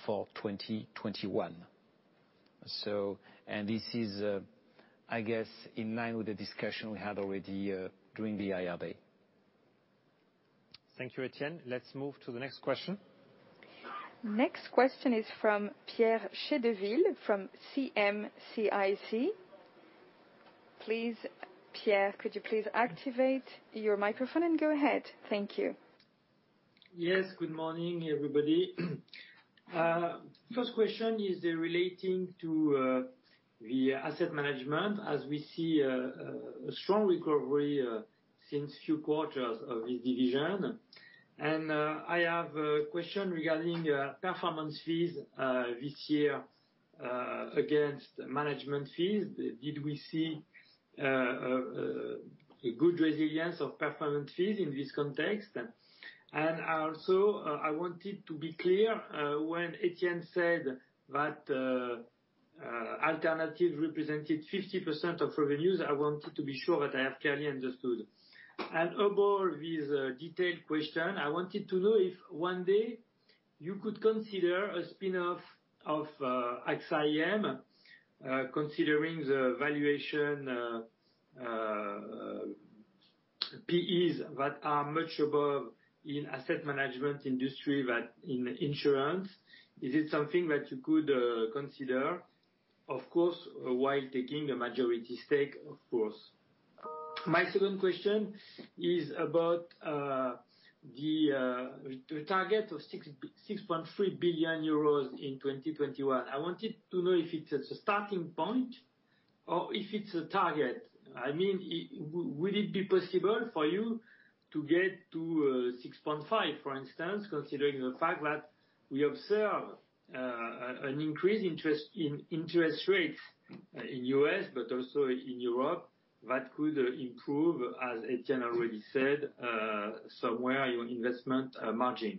for 2021. This is, I guess, in line with the discussion we had already during the Investor Day. Thank you, Etienne. Let's move to the next question. Next question is from Pierre Chédeville from CM-CIC. Please, Pierre, could you please activate your microphone and go ahead? Thank you. Yes. Good morning, everybody. First question is relating to the asset management as we see a strong recovery since few quarters of this division. I have a question regarding performance fees this year against management fees. Did we see a good resilience of performance fees in this context? Also, I wanted to be clear, when Etienne said that alternative represented 50% of revenues, I wanted to be sure that I have clearly understood. Above these detailed question, I wanted to know if one day you could consider a spinoff of AXA IM, considering the valuation PEs that are much above in asset management industry than in insurance. Is it something that you could consider? Of course, while taking a majority stake, of course. My second question is about the target of 6.3 billion euros in 2021. I wanted to know if it's a starting point or if it's a target. Would it be possible for you to get to 6.5 billion, for instance, considering the fact that we observe an increased interest in interest rates in U.S. but also in Europe that could improve, as Etienne already said, somewhere your investment margin.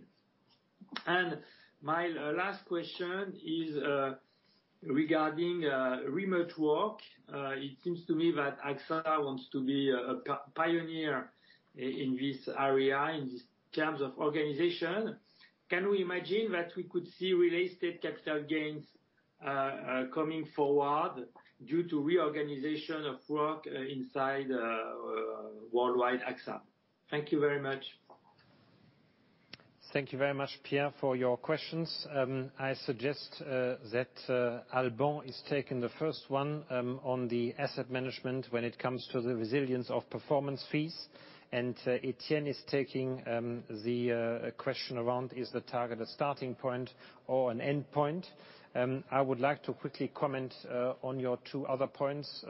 My last question is regarding remote work. It seems to me that AXA wants to be a pioneer in this area, in these terms of organization. Can we imagine that we could see real estate capital gains coming forward due to reorganization of work inside worldwide AXA? Thank you very much. Thank you very much, Pierre, for your questions. I suggest that Alban is taking the first one on the asset management when it comes to the resilience of performance fees, and Etienne is taking the question around is the target a starting point or an end point. I would like to quickly comment on your two other points.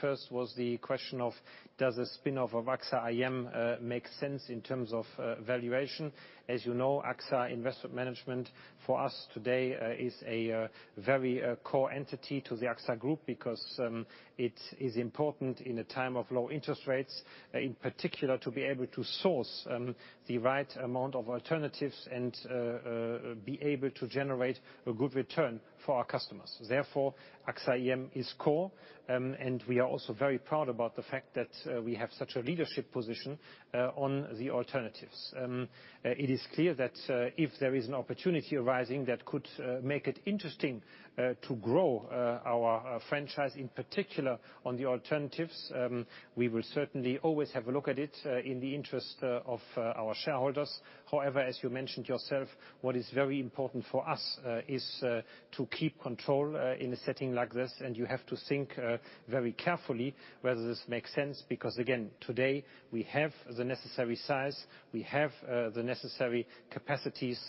First was the question of does a spinoff of AXA IM make sense in terms of valuation? As you know, AXA Investment Managers, for us today, is a very core entity to the AXA Group because it is important in a time of low interest rates, in particular, to be able to source the right amount of alternatives and be able to generate a good return for our customers. Therefore, AXA IM is core, and we are also very proud about the fact that we have such a leadership position on the alternatives. It is clear that if there is an opportunity arising that could make it interesting to grow our franchise, in particular on the alternatives, we will certainly always have a look at it in the interest of our shareholders. However, as you mentioned yourself, what is very important for us is to keep control in a setting like this, and you have to think very carefully whether this makes sense because again, today, we have the necessary size, we have the necessary capacities,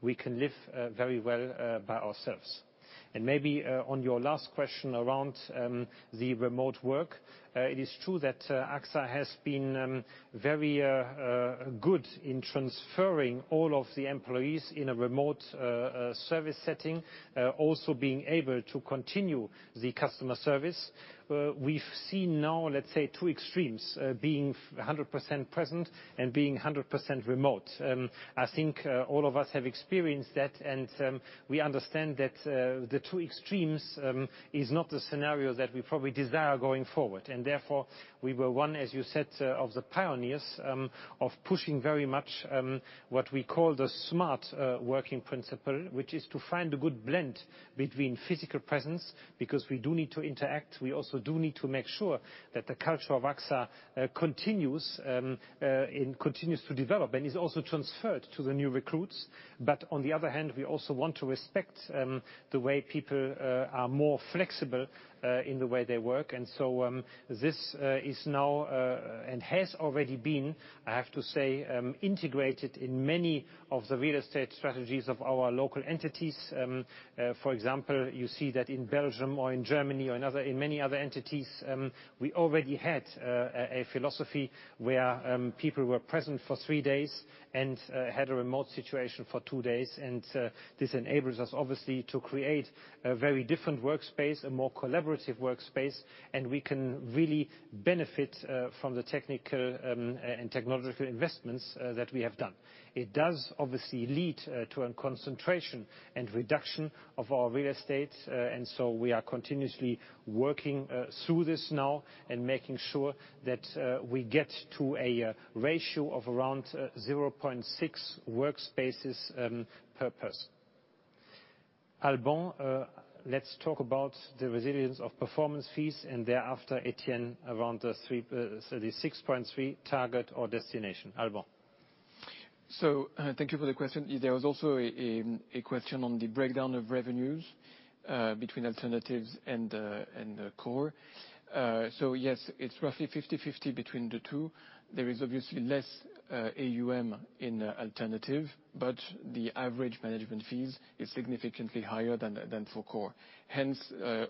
we can live very well by ourselves. Maybe on your last question around the remote work, it is true that AXA has been very good in transferring all of the employees in a remote service setting, also being able to continue the customer service. We've seen now, let's say, two extremes, being 100% present and being 100% remote. I think all of us have experienced that, and we understand that the two extremes is not the scenario that we probably desire going forward. Therefore, we were one, as you said, of the pioneers of pushing very much what we call the smart working principle, which is to find a good blend between physical presence, because we do need to interact, we also do need to make sure that the culture of AXA continues to develop and is also transferred to the new recruits. On the other hand, we also want to respect the way people are more flexible in the way they work. This is now and has already been, I have to say, integrated in many of the real estate strategies of our local entities. For example, you see that in Belgium or in Germany or in many other entities, we already had a philosophy where people were present for three days and had a remote situation for two days. This enables us, obviously, to create a very different workspace, a more collaborative workspace. We can really benefit from the technical and technological investments that we have done. It does obviously lead to a concentration and reduction of our real estate. We are continuously working through this now and making sure that we get to a ratio of around 0.6 workspaces per person. Alban, let's talk about the resilience of performance fees, and thereafter, Etienne, around the 6.3 billion target or destination. Alban? Thank you for the question. There was also a question on the breakdown of revenues between alternatives and the core. Yes, it's roughly 50/50 between the two. There is obviously less AUM in alternative, but the average management fees is significantly higher than for core. Hence,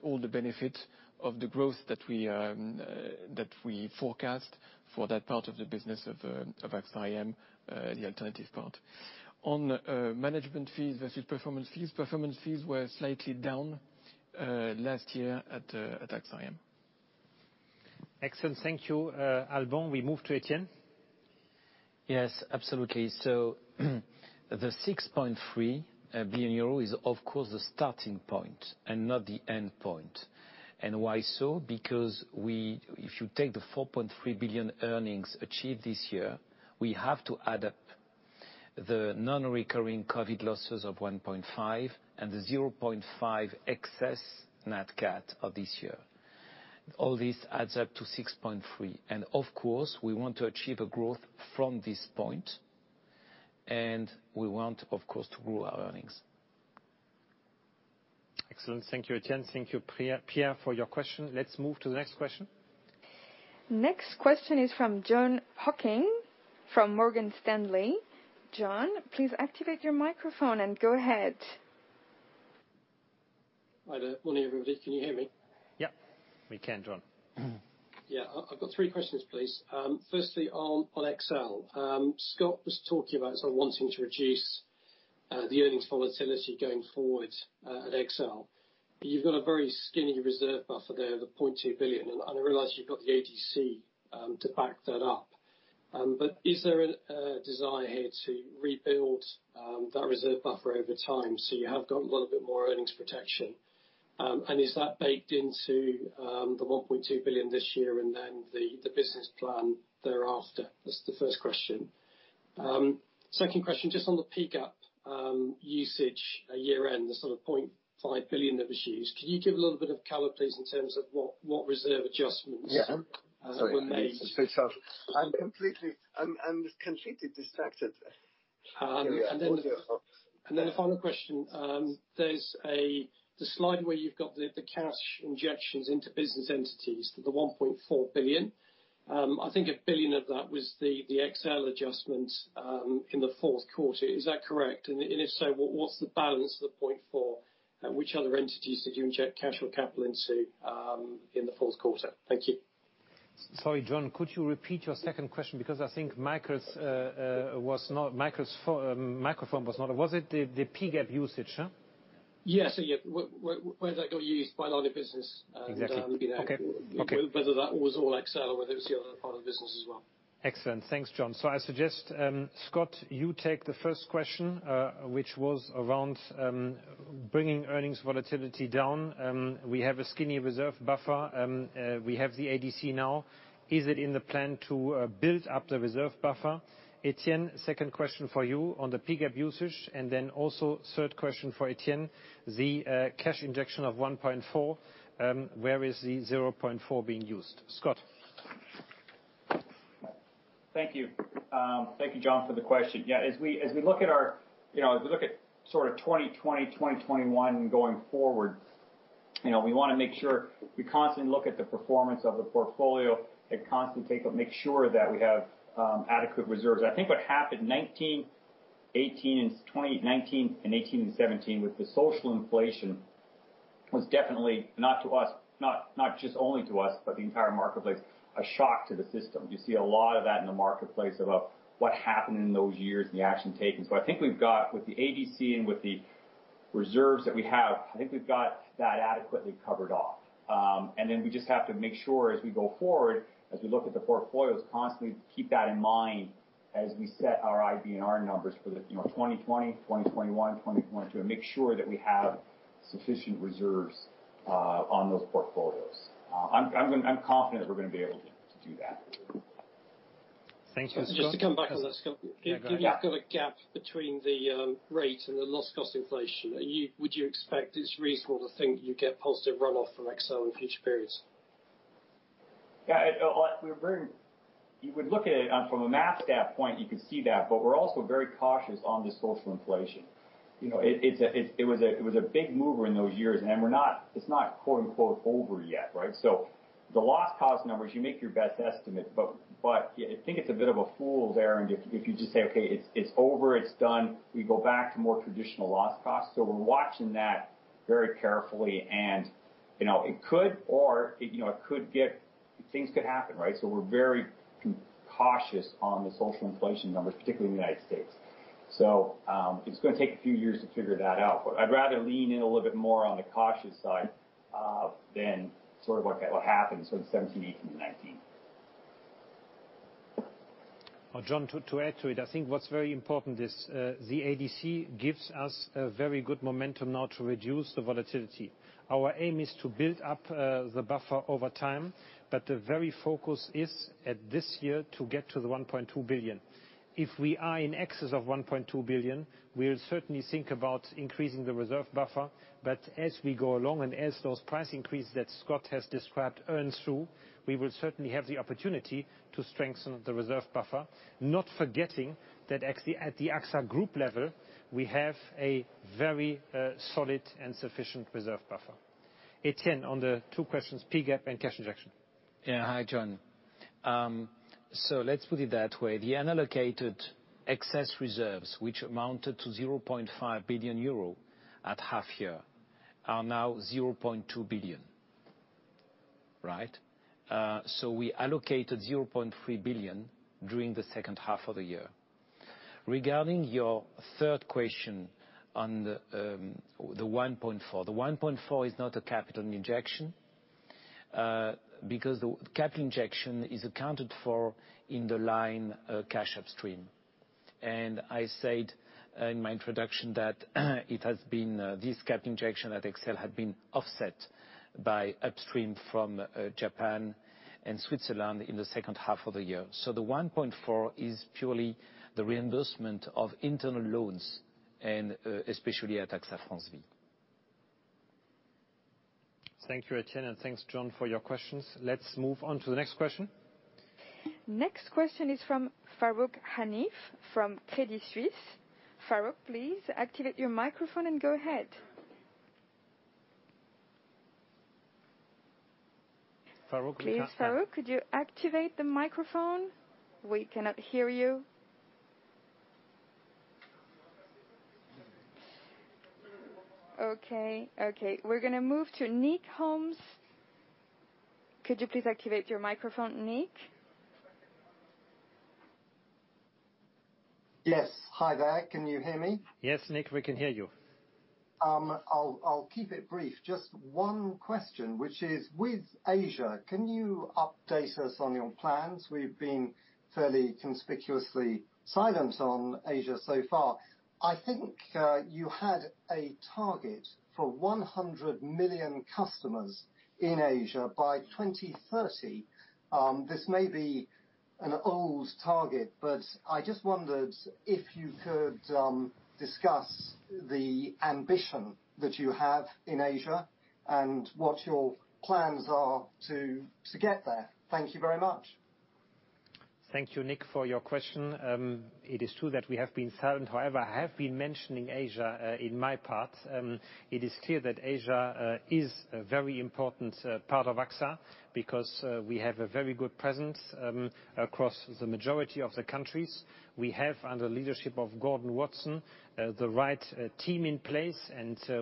all the benefit of the growth that we forecast for that part of the business of AXA IM, the alternative part. On management fees versus performance fees, performance fees were slightly down last year at AXA IM. Excellent. Thank you, Alban. We move to Etienne. Yes, absolutely. The 6.3 billion euro is of course the starting point and not the end point. Why so? If you take the 4.3 billion earnings achieved this year, we have to add up the non-recurring COVID losses of 1.5 billion and the 0.5 billion excess nat cat of this year. All this adds up to 6.3 billion. Of course, we want to achieve a growth from this point, and we want, of course, to grow our earnings. Excellent. Thank you, Etienne. Thank you, Pierre, for your question. Let's move to the next question. Next question is from Jon Hocking from Morgan Stanley. Jon, please activate your microphone and go ahead. Hi there. Morning, everybody. Can you hear me? Yep. We can, Jon. I've got three questions, please. Firstly, on XL. Scott was talking about sort of wanting to reduce the earnings volatility going forward at XL. You've got a very skinny reserve buffer there, the 0.2 billion. I realize you've got the ADC to back that up. Is there a desire here to rebuild that reserve buffer over time so you have got a little bit more earnings protection? Is that baked into the 1.2 billion this year, and then the business plan thereafter? That's the first question. Second question, just on the P-GAAP usage at year-end, the sort of 0.5 billion that was used. Can you give a little bit more color, please, in terms of what reserve adjustments- Yeah were made? Sorry. It is so tough. I am completely distracted. Carry on. All is well. The final question, there's the slide where you've got the cash injections into business entities, the 1.4 billion. I think 1 billion of that was the XL adjustment in the fourth quarter. Is that correct? If so, what's the balance of the EUR 0.4 billion, and which other entities did you inject cash or capital into in the fourth quarter? Thank you. Sorry, Jon, could you repeat your second question? I think Michael's microphone was not, was it the P-GAAP usage, huh? Yes. Where that got used by line of business. Exactly. Okay. whether that was all XL or whether it was the other part of the business as well. Excellent. Thanks, Jon. I suggest, Scott, you take the first question, which was around bringing earnings volatility down. We have a skinny reserve buffer. We have the ADC now. Is it in the plan to build up the reserve buffer? Etienne, second question for you on the P-GAAP usage, and then also third question for Etienne, the cash injection of 1.4 billion, where is the 0.4 billion being used? Scott? Thank you. Thank you, Jon, for the question. Yeah, as we look at sort of 2020, 2021 going forward, we want to make sure we constantly look at the performance of the portfolio and constantly make sure that we have adequate reserves. I think what happened 2019, 2018, and 2017 with the social inflation was definitely, not just only to us but the entire marketplace, a shock to the system. You see a lot of that in the marketplace about what happened in those years and the action taken. I think with the ADC and with the reserves that we have, I think we've got that adequately covered off. We just have to make sure as we go forward, as we look at the portfolios constantly, keep that in mind as we set our IBNR numbers for the 2020, 2021, 2022, and make sure that we have sufficient reserves on those portfolios. I'm confident we're going to be able to do that. Thank you, Scott. Just to come back on that, Scott. Yeah, go ahead. Given you've got a gap between the rate and the loss cost inflation, would you expect it's reasonable to think that you'd get positive runoff from XL in future periods? Yeah. If you would look at it from a math stat point, you could see that, but we're also very cautious on the social inflation. It was a big mover in those years, and it's not quote unquote over yet, right? The loss cost numbers, you make your best estimate, but I think it's a bit of a fool's errand if you just say, "Okay, it's over, it's done." We go back to more traditional loss costs. We're watching that very carefully, and things could happen, right? We're very cautious on the social inflation numbers, particularly in the United States. It's going to take a few years to figure that out. I'd rather lean in a little bit more on the cautious side, than sort of what happened in 2017, 2018, and 2019. Jon, to add to it, I think what's very important is, the ADC gives us a very good momentum now to reduce the volatility. Our aim is to build up the buffer over time, the very focus is at this year to get to 1.2 billion. If we are in excess of 1.2 billion, we'll certainly think about increasing the reserve buffer. As we go along, and as those price increases that Scott has described earn through, we will certainly have the opportunity to strengthen the reserve buffer. Not forgetting that actually at the AXA Group level, we have a very solid and sufficient reserve buffer. Etienne, on the two questions, P-GAAP and cash injection. Hi, Jon. Let's put it that way. The unallocated excess reserves, which amounted to 0.5 billion euro at half year, are now 0.2 billion. Right? We allocated 0.3 billion during the second half of the year. Regarding your third question on the EUR 1.4 billion. The 1.4 billion is not a capital injection, because the capital injection is accounted for in the line cash upstream. I said in my introduction that this capital injection at XL had been offset by upstream from Japan and Switzerland in the second half of the year. The 1.4 billion is purely the reimbursement of internal loans and especially at AXA France Vie. Thank you, Etienne, and thanks, Jon, for your questions. Let's move on to the next question. Next question is from Farooq Hanif from Credit Suisse. Farooq, please activate your microphone and go ahead. Farooq, please. Farooq, could you activate the microphone? We cannot hear you. Okay. We're going to move to Nick Holmes. Could you please activate your microphone, Nick? Yes. Hi there. Can you hear me? Yes, Nick, we can hear you. I'll keep it brief. Just one question, which is with Asia, can you update us on your plans? We've been fairly conspicuously silent on Asia so far. I think you had a target for 100 million customers in Asia by 2030. This may be an old target, I just wondered if you could discuss the ambition that you have in Asia and what your plans are to get there. Thank you very much. Thank you, Nick, for your question. It is true that we have been silent. However, I have been mentioning Asia, in my part. It is clear that Asia is a very important part of AXA because we have a very good presence across the majority of the countries. We have, under the leadership of Gordon Watson, the right team in place.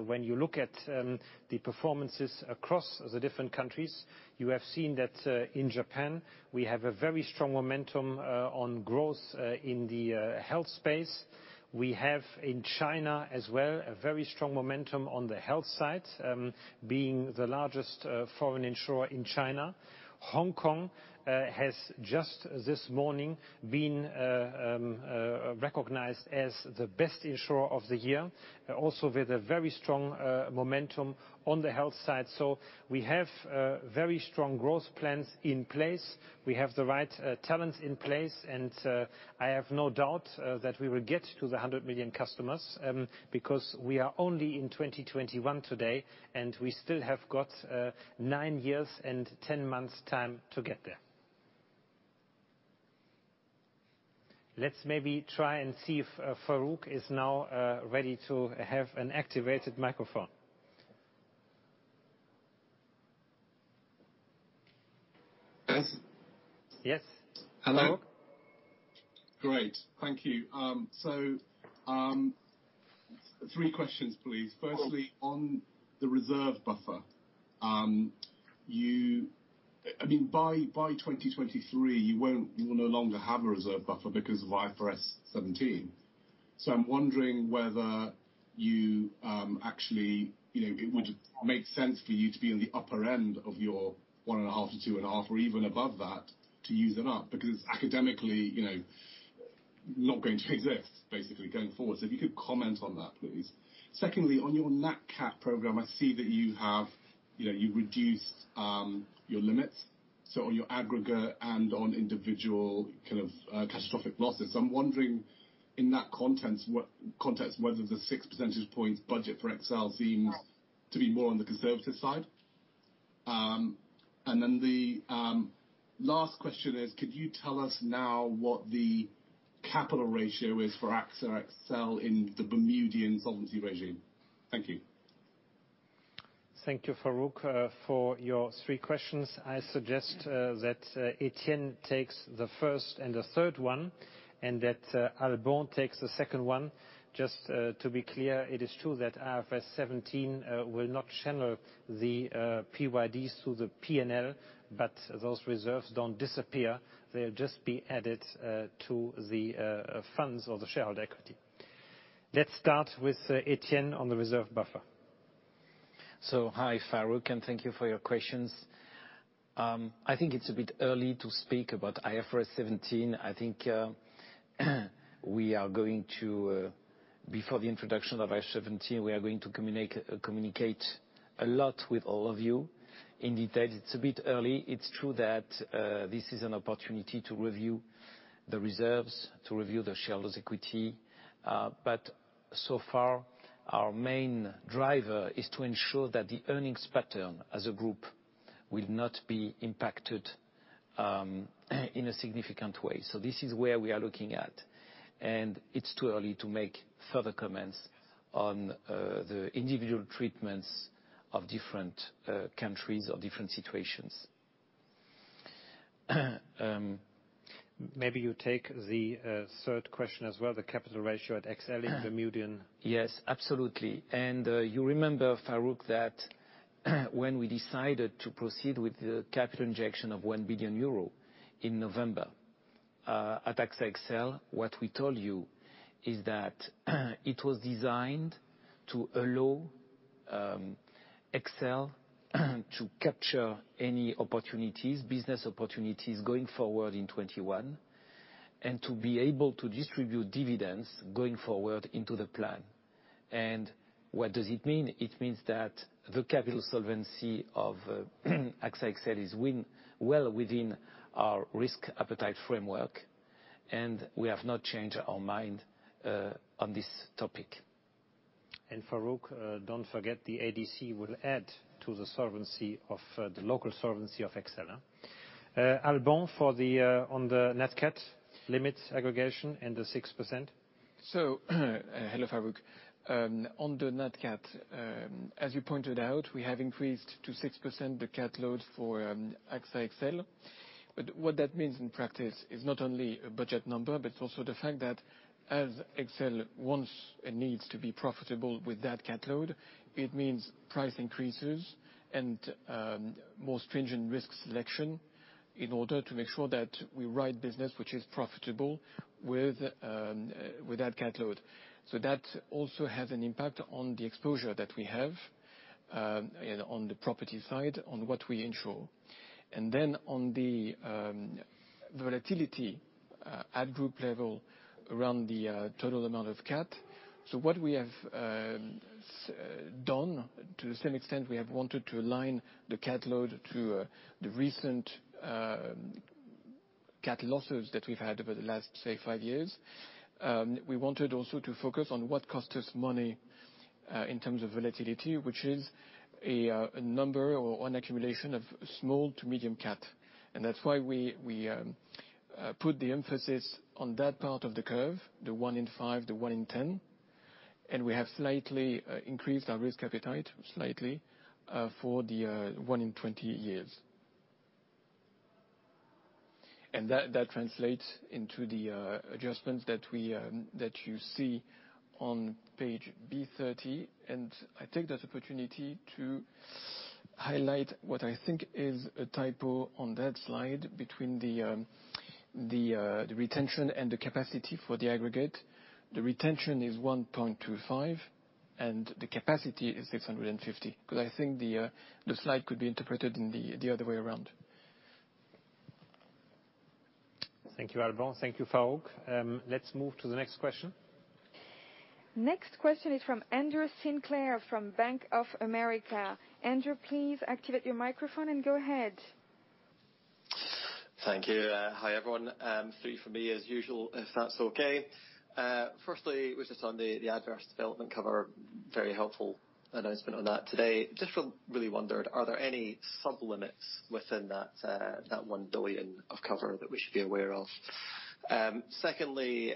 When you look at the performances across the different countries, you have seen that in Japan, we have a very strong momentum on growth in the health space. We have in China as well, a very strong momentum on the health side, being the largest foreign insurer in China. Hong Kong has just this morning been recognized as the best insurer of the year, also with a very strong momentum on the health side. We have very strong growth plans in place. We have the right talent in place, and I have no doubt that we will get to the 100 million customers, because we are only in 2021 today, and we still have got nine years and 10 months' time to get there. Let's maybe try and see if Farooq is now ready to have an activated microphone. Yes. Yes. Farooq. Hello. Great. Thank you. Three questions, please. Firstly, on the reserve buffer. By 2023, you will no longer have a reserve buffer because of IFRS 17. I'm wondering whether it would make sense for you to be on the upper end of your 1.5 billion-2.5 billion or even above that to use them up, because academically, not going to exist, basically, going forward. If you could comment on that, please. Secondly, on your nat cat program, I see that you reduced your limits. On your aggregate and on individual kind of catastrophic losses. I'm wondering in that context, whether the six percentage points budget for XL seems to be more on the conservative side. The last question is, could you tell us now what the capital ratio is for AXA XL in the Bermudian solvency regime? Thank you. Thank you, Farooq, for your three questions. I suggest that Etienne takes the first and the third one, and that Alban takes the second one. Just to be clear, it is true that IFRS 17 will not channel the PYDs through the P&L, but those reserves don't disappear. They'll just be added to the funds or the shareholder equity. Let's start with Etienne on the reserve buffer. Hi Farooq, thank you for your questions. I think it's a bit early to speak about IFRS 17. Before the introduction of IFRS 17, we are going to communicate a lot with all of you in detail. It's a bit early. It's true that this is an opportunity to review the reserves, to review the shareholders' equity. So far, our main driver is to ensure that the earnings pattern as a group will not be impacted in a significant way. This is where we are looking at. It's too early to make further comments on the individual treatments of different countries or different situations. Maybe you take the third question as well, the capital ratio at XL in Bermudian. Yes, absolutely. You remember, Farooq, that when we decided to proceed with the capital injection of 1 billion euro in November at AXA XL, what we told you is that it was designed to allow XL to capture any business opportunities going forward in 2021, and to be able to distribute dividends going forward into the plan. What does it mean? It means that the capital solvency of AXA XL is well within our risk appetite framework, and we have not changed our mind on this topic. Farooq, don't forget, the ADC will add to the local solvency of XL. Alban, on the nat cat limits aggregation and the 6%. Hello, Farooq. On the nat cat, as you pointed out, we have increased to 6% the cat load for AXA XL. What that means in practice is not only a budget number, but it's also the fact that as XL wants and needs to be profitable with that cat load, it means price increases and more stringent risk selection in order to make sure that we write business which is profitable with that cat load. On the volatility at group level around the total amount of cat. What we have done, to some extent, we have wanted to align the cat load to the recent cat losses that we've had over the last, say, five years. We wanted also to focus on what cost us money in terms of volatility, which is a number or an accumulation of small to medium cat. That's why we put the emphasis on that part of the curve, the one in five, the one in 10, and we have slightly increased our risk appetite, slightly, for the one in 20 years. That translates into the adjustments that you see on page B.30, and I take that opportunity to highlight what I think is a typo on that slide between the retention and the capacity for the aggregate. The retention is 1.25 billion, and the capacity is 650 million, because I think the slide could be interpreted in the other way around. Thank you, Alban. Thank you, Farooq. Let's move to the next question. Next question is from Andrew Sinclair from Bank of America. Andrew, please activate your microphone and go ahead. Thank you. Hi, everyone. Three from me as usual, if that's okay. Firstly, was just on the adverse development cover. Very helpful announcement on that today. Just really wondered, are there any sub-limits within that 1 billion of cover that we should be aware of? Secondly,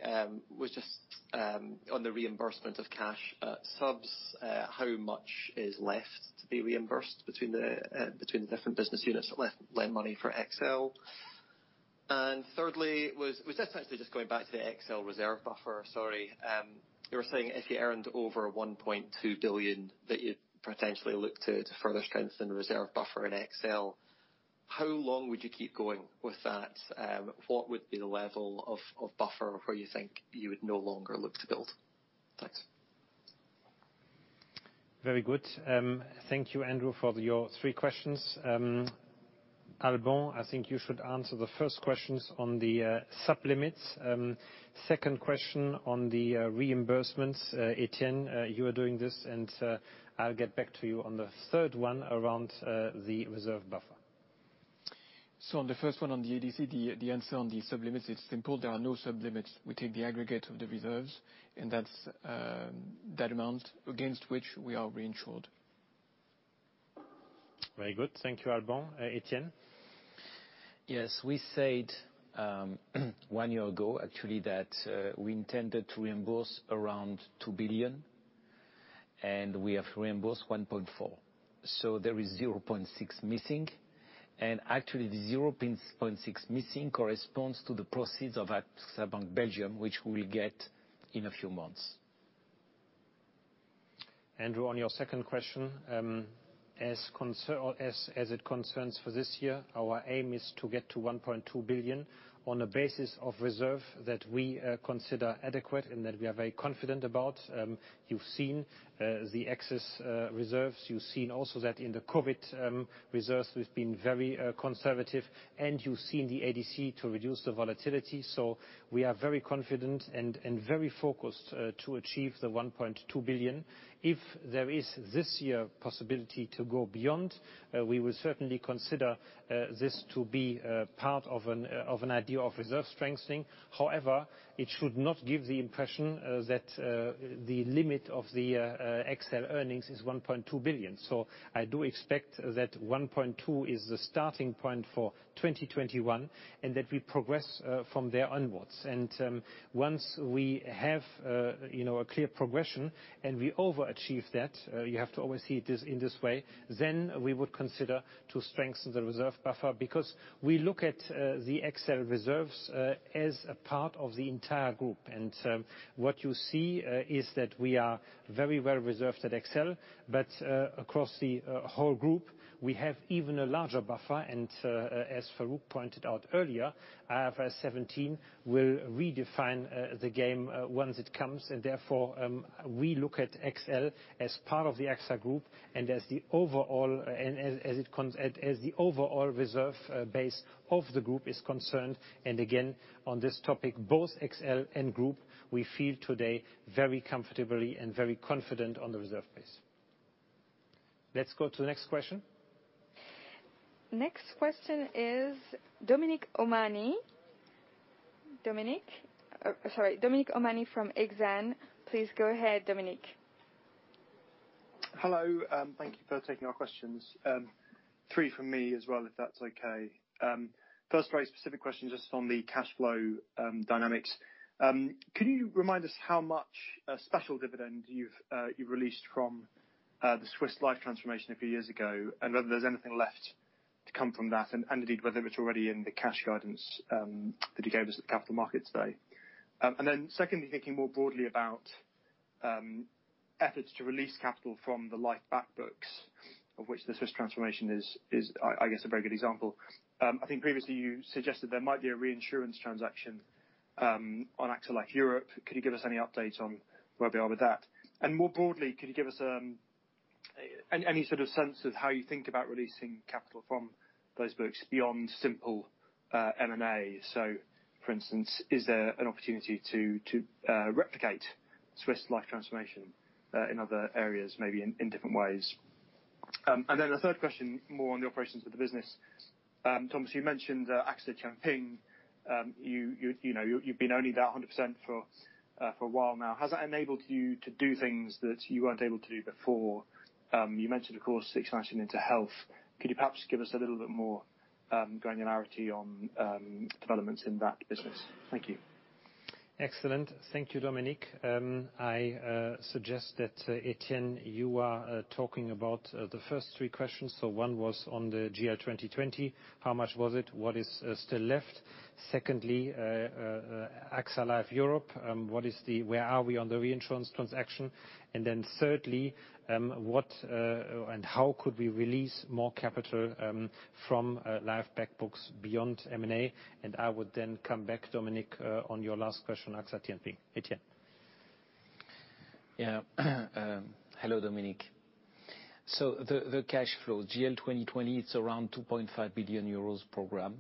was just on the reimbursement of cash subs, how much is left to be reimbursed between the different business units that lend money for XL? Thirdly, was just actually going back to the XL reserve buffer, sorry. You were saying if you earned over 1.2 billion, that you'd potentially look to further strengthen the reserve buffer in XL. How long would you keep going with that? What would be the level of buffer where you think you would no longer look to build? Thanks. Very good. Thank you, Andrew, for your three questions. Alban, I think you should answer the first questions on the sub-limits. Second question on the reimbursements, Etienne, you are doing this, and I'll get back to you on the third one around the reserve buffer. On the first one, on the ADC, the answer on the sub-limits, it's simple. There are no sub-limits. We take the aggregate of the reserves, and that's that amount against which we are reinsured. Very good. Thank you, Alban. Etienne? Yes, we said one year ago, actually, that we intended to reimburse around 2 billion. We have reimbursed 1.4 billion. There is 0.6 billion missing, and actually the 0.6 billion missing corresponds to the proceeds of AXA Bank Belgium, which we'll get in a few months. Andrew, on your second question, as it concerns for this year, our aim is to get to 1.2 billion on the basis of reserve that we consider adequate and that we are very confident about. You've seen the excess reserves. You've seen also that in the COVID reserves, we've been very conservative, and you've seen the ADC to reduce the volatility. We are very confident and very focused to achieve the 1.2 billion. If there is, this year, possibility to go beyond, we will certainly consider this to be part of an idea of reserve strengthening. It should not give the impression that the limit of the XL earnings is 1.2 billion. I do expect that 1.2 billion is the starting point for 2021, and that we progress from there onwards. Once we have a clear progression, and we overachieve that, you have to always see it in this way, then we would consider to strengthen the reserve buffer, because we look at the XL reserves as a part of the entire group. What you see is that we are very well reserved at XL, but across the whole group, we have even a larger buffer, as Farooq pointed out earlier, IFRS 17 will redefine the game once it comes. Therefore, we look at XL as part of the AXA Group and as the overall reserve base of the Group is concerned. Again, on this topic, both XL and Group, we feel today very comfortably and very confident on the reserve base. Let's go to the next question. Next question is Dominic O'Mahony. Dominic? Sorry, Dominic O'Mahony from Exane. Please go ahead, Dominic. Hello. Thank you for taking our questions. Three from me as well, if that's okay. First, very specific question, just on the cash flow dynamics. Can you remind us how much special dividend you've released from the Swiss Life transformation a few years ago, and whether there's anything left to come from that? Indeed, whether it's already in the cash guidance that you gave us at the capital markets day. Then secondly, thinking more broadly about efforts to release capital from the life back books, of which the Swiss transformation is, I guess a very good example. I think previously you suggested there might be a reinsurance transaction on AXA Life Europe. Could you give us any update on where we are with that? More broadly, could you give us any sort of sense of how you think about releasing capital from those books beyond simple M&A? For instance, is there an opportunity to replicate Swiss Life transformation in other areas, maybe in different ways? A third question, more on the operations of the business. Thomas, you mentioned AXA Tianping. You've been owning that 100% for a while now. Has that enabled you to do things that you weren't able to do before? You mentioned, of course, expansion into health. Could you perhaps give us a little bit more granularity on developments in that business? Thank you. Excellent. Thank you, Dominic. I suggest that, Etienne, you are talking about the first three questions. One was on the GL 2020. How much was it? What is still left? Secondly, AXA Life Europe. Where are we on the reinsurance transaction? Thirdly, what and how could we release more capital from life back books beyond M&A? I would then come back, Dominic, on your last question, AXA Tianping. Etienne. Yeah. Hello, Dominic. The cash flow. GL 2020, it is around 2.5 billion euros program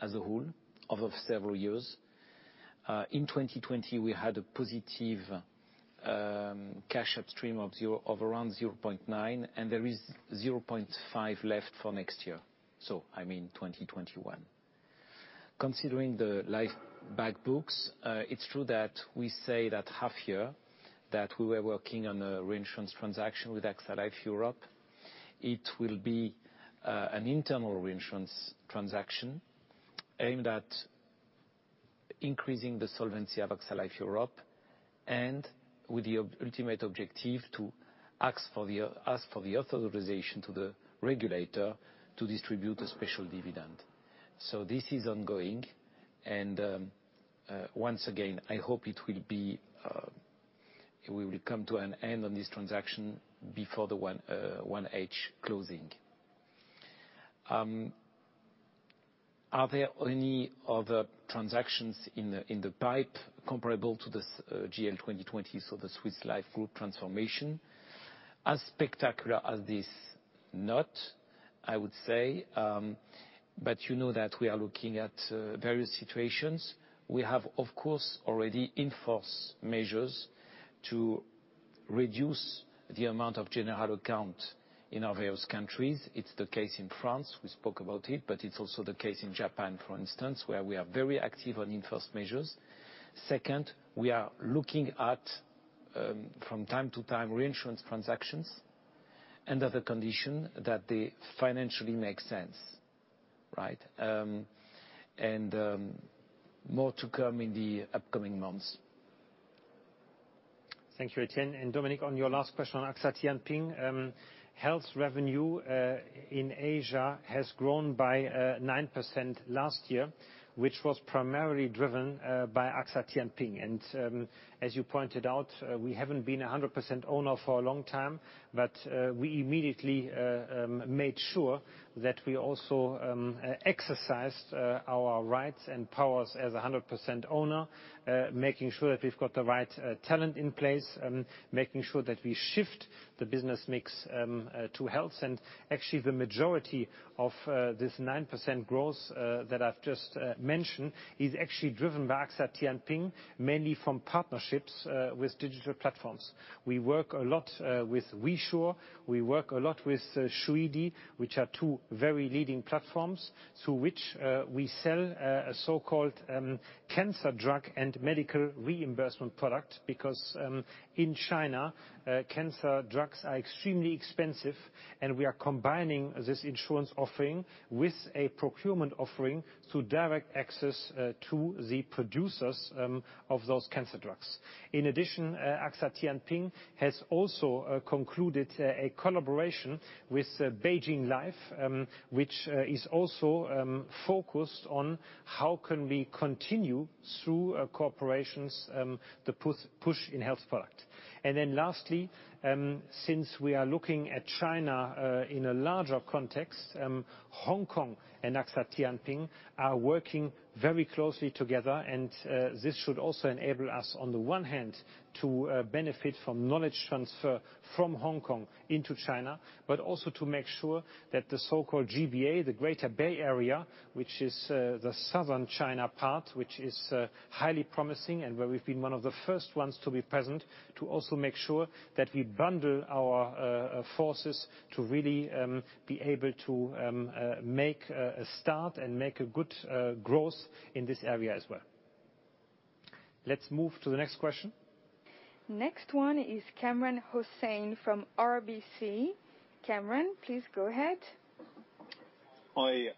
as a whole, over several years. In 2020, we had a positive cash upstream of around 0.9 billion, and there is 0.5 billion left for next year, I mean 2021. Considering the life back books, it is true that we say that half-year that we were working on a reinsurance transaction with AXA Life Europe. It will be an internal reinsurance transaction aimed at increasing the solvency of AXA Life Europe, and with the ultimate objective to ask for the authorization to the regulator to distribute a special dividend. This is ongoing, and once again, I hope we will come to an end on this transaction before the 1H closing. Are there any other transactions in the pipe comparable to the GL 2020, so the Swiss Life Group transformation? As spectacular as this? Not, I would say. You know that we are looking at various situations. We have, of course, already in-force measures to reduce the amount of general account in our various countries. It's the case in France. We spoke about it. It's also the case in Japan, for instance, where we are very active on in-force measures. Second, we are looking at, from time to time, reinsurance transactions. Under the condition that they financially make sense. More to come in the upcoming months. Thank you, Etienne. Dominic, on your last question on AXA Tianping, health revenue in Asia has grown by 9% last year, which was primarily driven by AXA Tianping. As you pointed out, we haven't been 100% owner for a long time, but we immediately made sure that we also exercised our rights and powers as 100% owner, making sure that we've got the right talent in place, making sure that we shift the business mix to health. Actually, the majority of this 9% growth that I've just mentioned is actually driven by AXA Tianping, mainly from partnerships with digital platforms. We work a lot with WeSure, we work a lot with Shuidi, which are two very leading platforms through which we sell a so-called cancer drug and medical reimbursement product because in China, cancer drugs are extremely expensive, and we are combining this insurance offering with a procurement offering through direct access to the producers of those cancer drugs. In addition, AXA Tianping has also concluded a collaboration with Beijing Life, which is also focused on how can we continue, through corporations, the push in health product. Lastly, since we are looking at China in a larger context, Hong Kong and AXA Tianping are working very closely together. This should also enable us, on the one hand, to benefit from knowledge transfer from Hong Kong into China, but also to make sure that the so-called GBA, the Greater Bay Area, which is the southern China part, which is highly promising and where we've been one of the first ones to be present, to also make sure that we bundle our forces to really be able to make a start and make a good growth in this area as well. Let's move to the next question. Next one is Kamran Hossain from RBC. Kamran, please go ahead. Hi,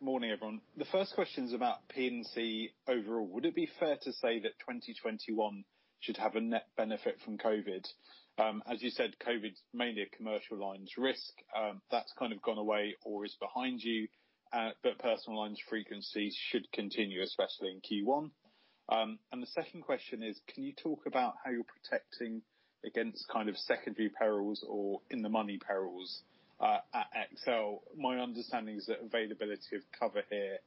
morning everyone. The first question's about P&C overall. Would it be fair to say that 2021 should have a net benefit from COVID? As you said, COVID's mainly a commercial lines risk, that's kind of gone away or is behind you. Personal lines frequencies should continue, especially in Q1. The second question is, can you talk about how you're protecting against secondary perils or in the money perils at XL? My understanding is that availability of cover here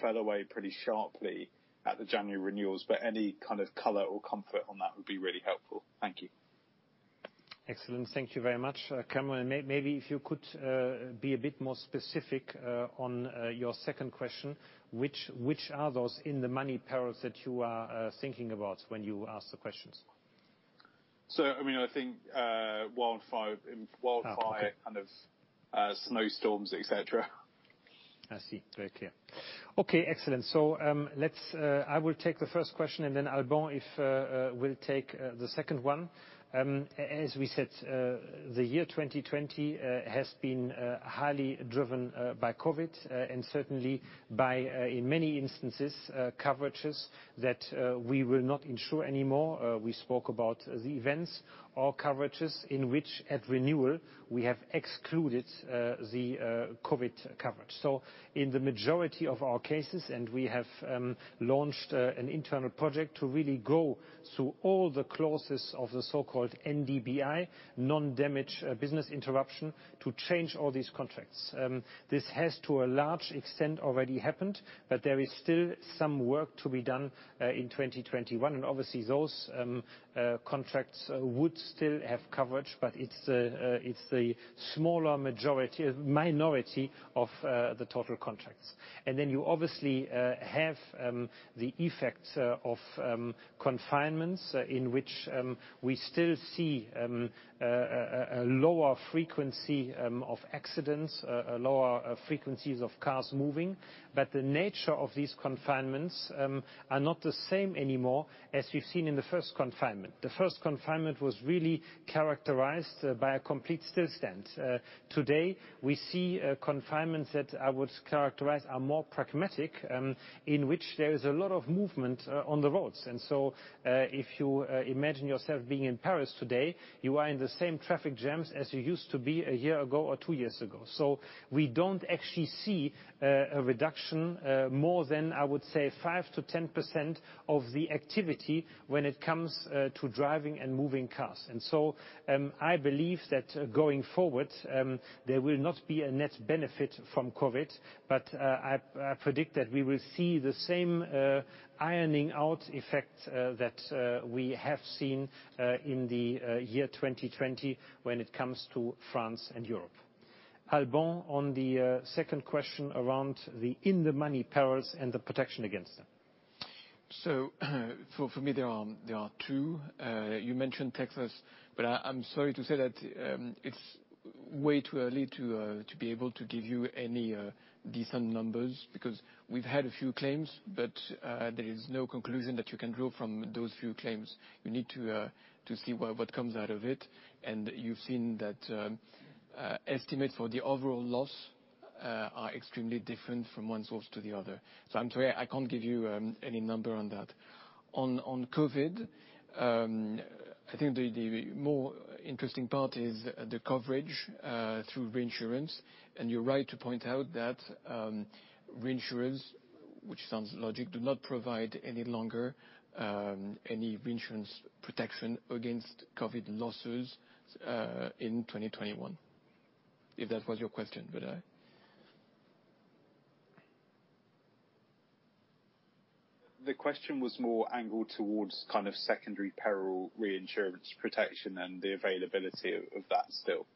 fell away pretty sharply at the January renewals, but any kind of color or comfort on that would be really helpful. Thank you. Excellent. Thank you very much. Kamran, maybe if you could be a bit more specific on your second question, which are those in the money perils that you are thinking about when you ask the questions? I think wildfire. Oh, okay. snow storms, et cetera. I see. Very clear. Okay, excellent. I will take the first question, and then Alban will take the second one. As we said, the year 2020 has been highly driven by COVID and certainly by, in many instances, coverages that we will not insure anymore. We spoke about the events or coverages in which, at renewal, we have excluded the COVID coverage. In the majority of our cases, and we have launched an internal project to really go through all the clauses of the so-called NDBI, non-damage business interruption, to change all these contracts. This has, to a large extent, already happened, but there is still some work to be done in 2021. Obviously, those contracts would still have coverage, but it's the smaller minority of the total contracts. You obviously have the effects of confinements, in which we still see a lower frequency of accidents, lower frequencies of cars moving. The nature of these confinements are not the same anymore as we've seen in the first confinement. The first confinement was really characterized by a complete standstill. Today, we see confinements that I would characterize are more pragmatic, in which there is a lot of movement on the roads. If you imagine yourself being in Paris today, you are in the same traffic jams as you used to be a year ago or two years ago. We don't actually see a reduction more than, I would say, 5%-10% of the activity when it comes to driving and moving cars. I believe that going forward, there will not be a net benefit from COVID, but I predict that we will see the same ironing out effect that we have seen in the year 2020 when it comes to France and Europe. Alban, on the second question around the in the money perils and the protection against them. For me, there are two. You mentioned Texas, but I'm sorry to say that it is way too early to be able to give you any decent numbers, because we've had a few claims, but there is no conclusion that you can draw from those few claims. You need to see what comes out of it. You've seen that estimate for the overall loss are extremely different from one source to the other. I'm sorry, I can't give you any number on that. On COVID, I think the more interesting part is the coverage through reinsurance. You're right to point out that reinsurers, which sounds logical, do not provide any longer any reinsurance protection against COVID losses in 2021. If that was your question, would I? The question was more angled towards secondary peril reinsurance protection and the availability of that still,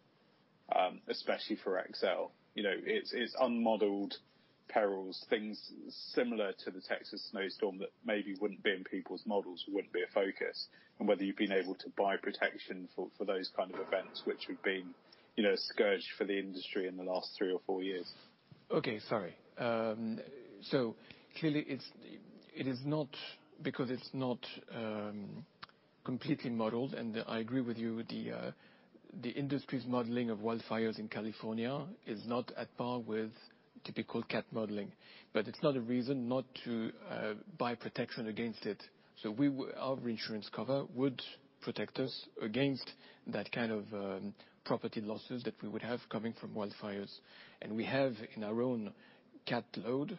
especially for XL. It's unmodeled perils, things similar to the Texas snowstorm, that maybe wouldn't be in people's models, wouldn't be a focus, and whether you've been able to buy protection for those kind of events, which have been a scourge for the industry in the last three or four years. Sorry. Clearly, it is not because it's not completely modeled, and I agree with you, the industry's modeling of wildfires in California is not at par with typical cat modeling. It's not a reason not to buy protection against it. Our reinsurance cover would protect us against that kind of property losses that we would have coming from wildfires. We have in our own cat load,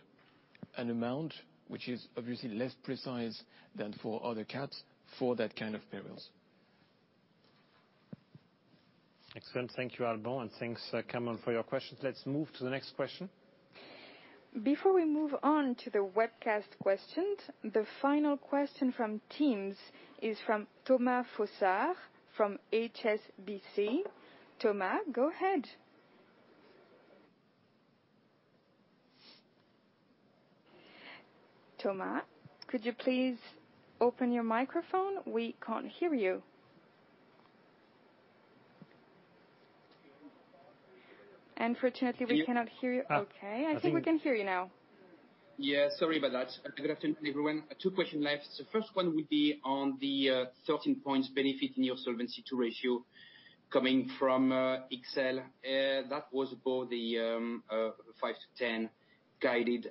an amount which is obviously less precise than for other cats for that kind of perils. Excellent. Thank you, Alban, and thanks Kamran for your questions. Let's move to the next question. Before we move on to the webcast questions, the final question from Teams is from Thomas Fossard from HSBC. Thomas, go ahead. Thomas, could you please open your microphone? We can't hear you. Unfortunately, we cannot hear you. Okay, I think we can hear you now. Yeah. Sorry about that. Good afternoon, everyone. Two question left. First one would be on the 13 points benefit in your Solvency II ratio coming from XL. That was about the 5 points-10 points guided.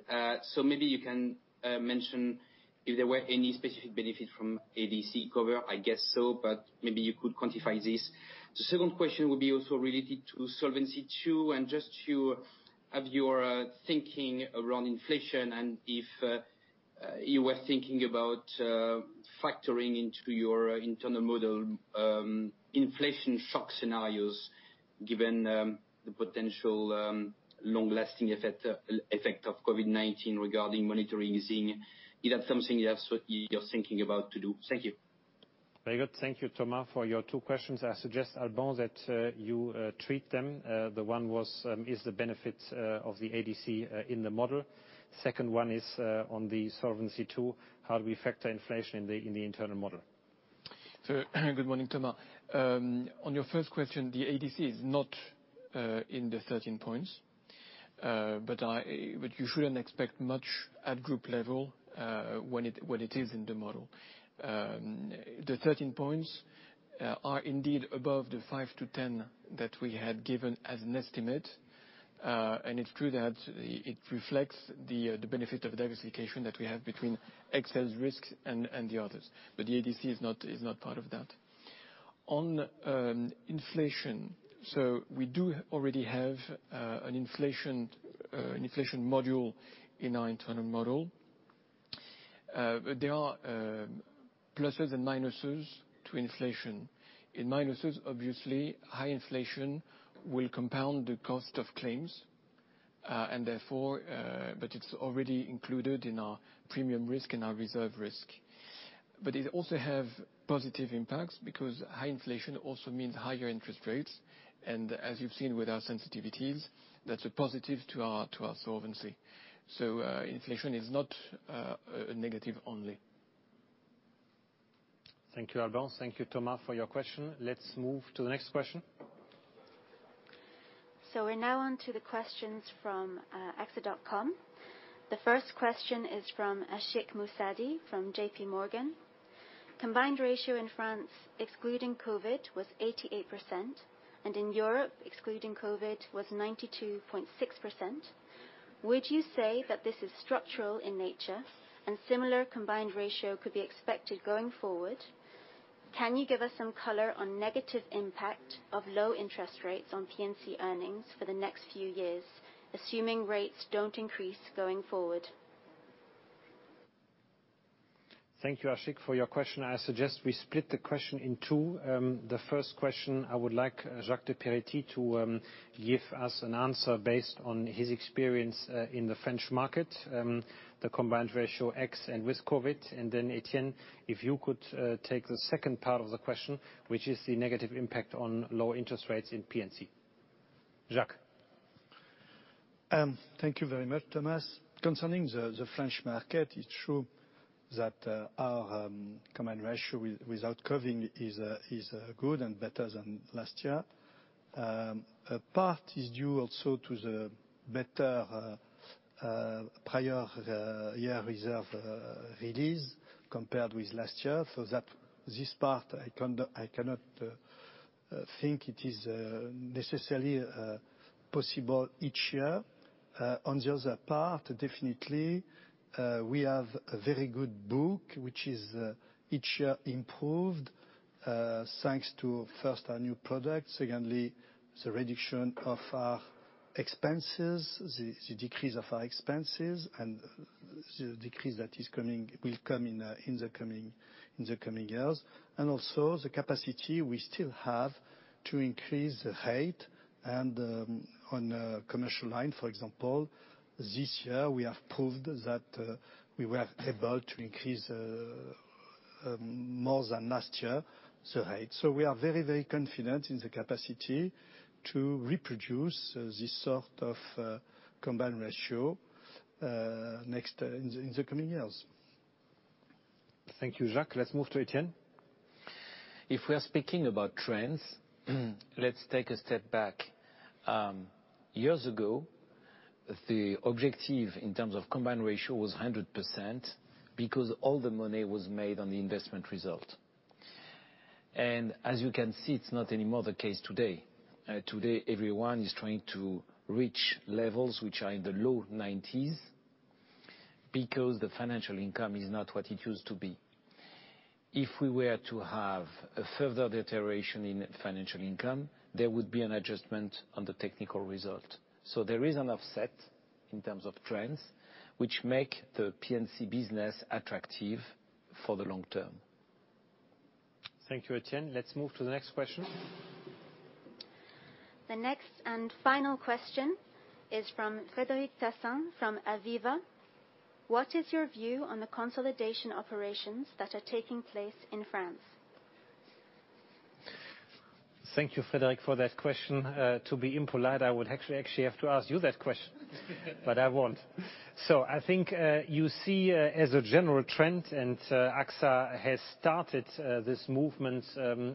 Maybe you can mention if there were any specific benefits from ADC cover. I guess so, but maybe you could quantify this. The second question would be also related to Solvency II, just to have your thinking around inflation and if you were thinking about factoring into your internal model inflation shock scenarios given the potential long-lasting effect of COVID-19 regarding monetary easing. Is that something you're thinking about to do? Thank you. Very good. Thank you Thomas for your two questions. I suggest, Alban, that you treat them. The one was, is the benefits of the ADC in the model. Second one is on the Solvency II, how do we factor inflation in the internal model? Good morning, Thomas. On your first question, the ADC is not in the 13 points. You shouldn't expect much at group level, when it is in the model. The 13 points are indeed above the 5 points-10 points that we had given as an estimate. It's true that it reflects the benefit of diversification that we have between XL's risks and the others. The ADC is not part of that. On inflation. We do already have an inflation module in our internal model. There are pluses and minuses to inflation. In minuses, obviously, high inflation will compound the cost of claims. It's already included in our premium risk and our reserve risk. It also have positive impacts because high inflation also means higher interest rates, and as you've seen with our sensitivities, that's a positive to our solvency. Inflation is not negative only. Thank you, Alban. Thank you, Thomas, for your question. Let's move to the next question. We're now on to the questions from axa.com. The first question is from Ashik Musaddi from JPMorgan. Combined ratio in France, excluding COVID, was 88%, and in Europe, excluding COVID, was 92.6%. Would you say that this is structural in nature and similar combined ratio could be expected going forward? Can you give us some color on negative impact of low interest rates on P&C earnings for the next few years, assuming rates don't increase going forward? Thank you, Ashik, for your question. I suggest we split the question in two. The first question, I would like Jacques de Peretti to give us an answer based on his experience in the French market, the combined ratio X and with COVID. Then Etienne, if you could take the second part of the question, which is the negative impact on low interest rates in P&C. Jacques. Thank you very much, Thomas. Concerning the French market, it is true that our combined ratio without COVID is good and better than last year. A part is due also to the better. Prior year reserve release compared with last year. This part I cannot think it is necessarily possible each year. On the other part, definitely, we have a very good book, which is each year improved, thanks to, first, our new product. Secondly, the reduction of our expenses, the decrease of our expenses, and the decrease that will come in the coming years. Also the capacity we still have to increase the rate. On the commercial line, for example, this year we have proved that we were able to increase more than last year, the rate. We are very confident in the capacity to reproduce this sort of combined ratio in the coming years. Thank you, Jacques. Let's move to Etienne. If we are speaking about trends, let's take a step back. Years ago, the objective in terms of combined ratio was 100% because all the money was made on the investment result. As you can see, it's not anymore the case today. Today, everyone is trying to reach levels which are in the low 90% because the financial income is not what it used to be. If we were to have a further deterioration in financial income, there would be an adjustment on the technical result. There is an offset in terms of trends which make the P&C business attractive for the long term. Thank you, Etienne. Let's move to the next question. The next and final question is from Frédéric Tassin from Aviva. What is your view on the consolidation operations that are taking place in France? Thank you, Frédéric, for that question. To be impolite, I would actually have to ask you that question, but I won't. I think you see as a general trend, and AXA has started this movement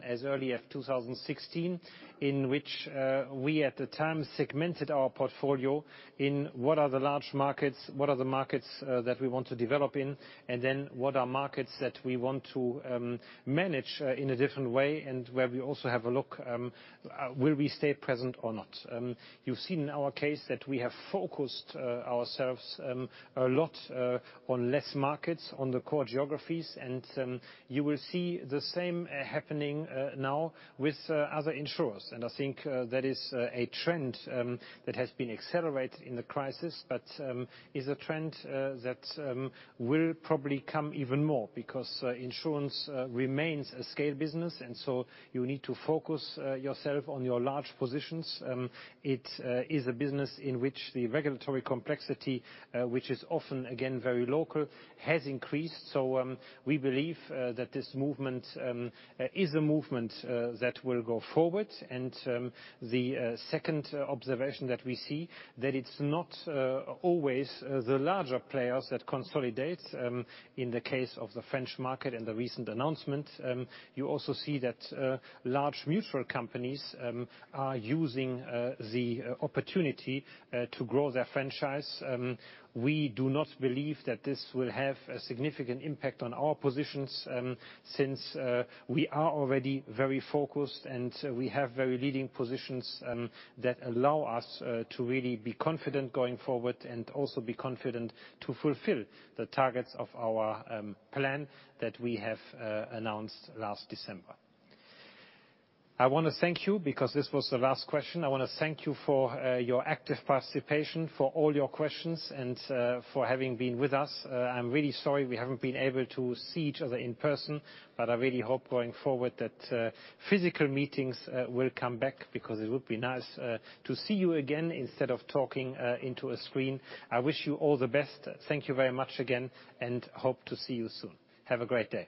as early as 2016, in which we, at the time, segmented our portfolio in what are the large markets, what are the markets that we want to develop in, and then what are markets that we want to manage in a different way and where we also have a look, will we stay present or not? You've seen in our case that we have focused ourselves a lot on less markets, on the core geographies, and you will see the same happening now with other insurers. I think that is a trend that has been accelerated in the crisis but is a trend that will probably come even more because insurance remains a scale business, you need to focus yourself on your large positions. It is a business in which the regulatory complexity, which is often, again, very local, has increased. We believe that this movement is a movement that will go forward. The second observation that we see, that it's not always the larger players that consolidate. In the case of the French market and the recent announcement, you also see that large mutual companies are using the opportunity to grow their franchise. We do not believe that this will have a significant impact on our positions since we are already very focused, and we have very leading positions that allow us to really be confident going forward and also be confident to fulfill the targets of our plan that we have announced last December. I want to thank you because this was the last question. I want to thank you for your active participation, for all your questions, and for having been with us. I am really sorry we haven't been able to see each other in person, but I really hope going forward that physical meetings will come back because it would be nice to see you again instead of talking into a screen. I wish you all the best. Thank you very much again, and hope to see you soon. Have a great day.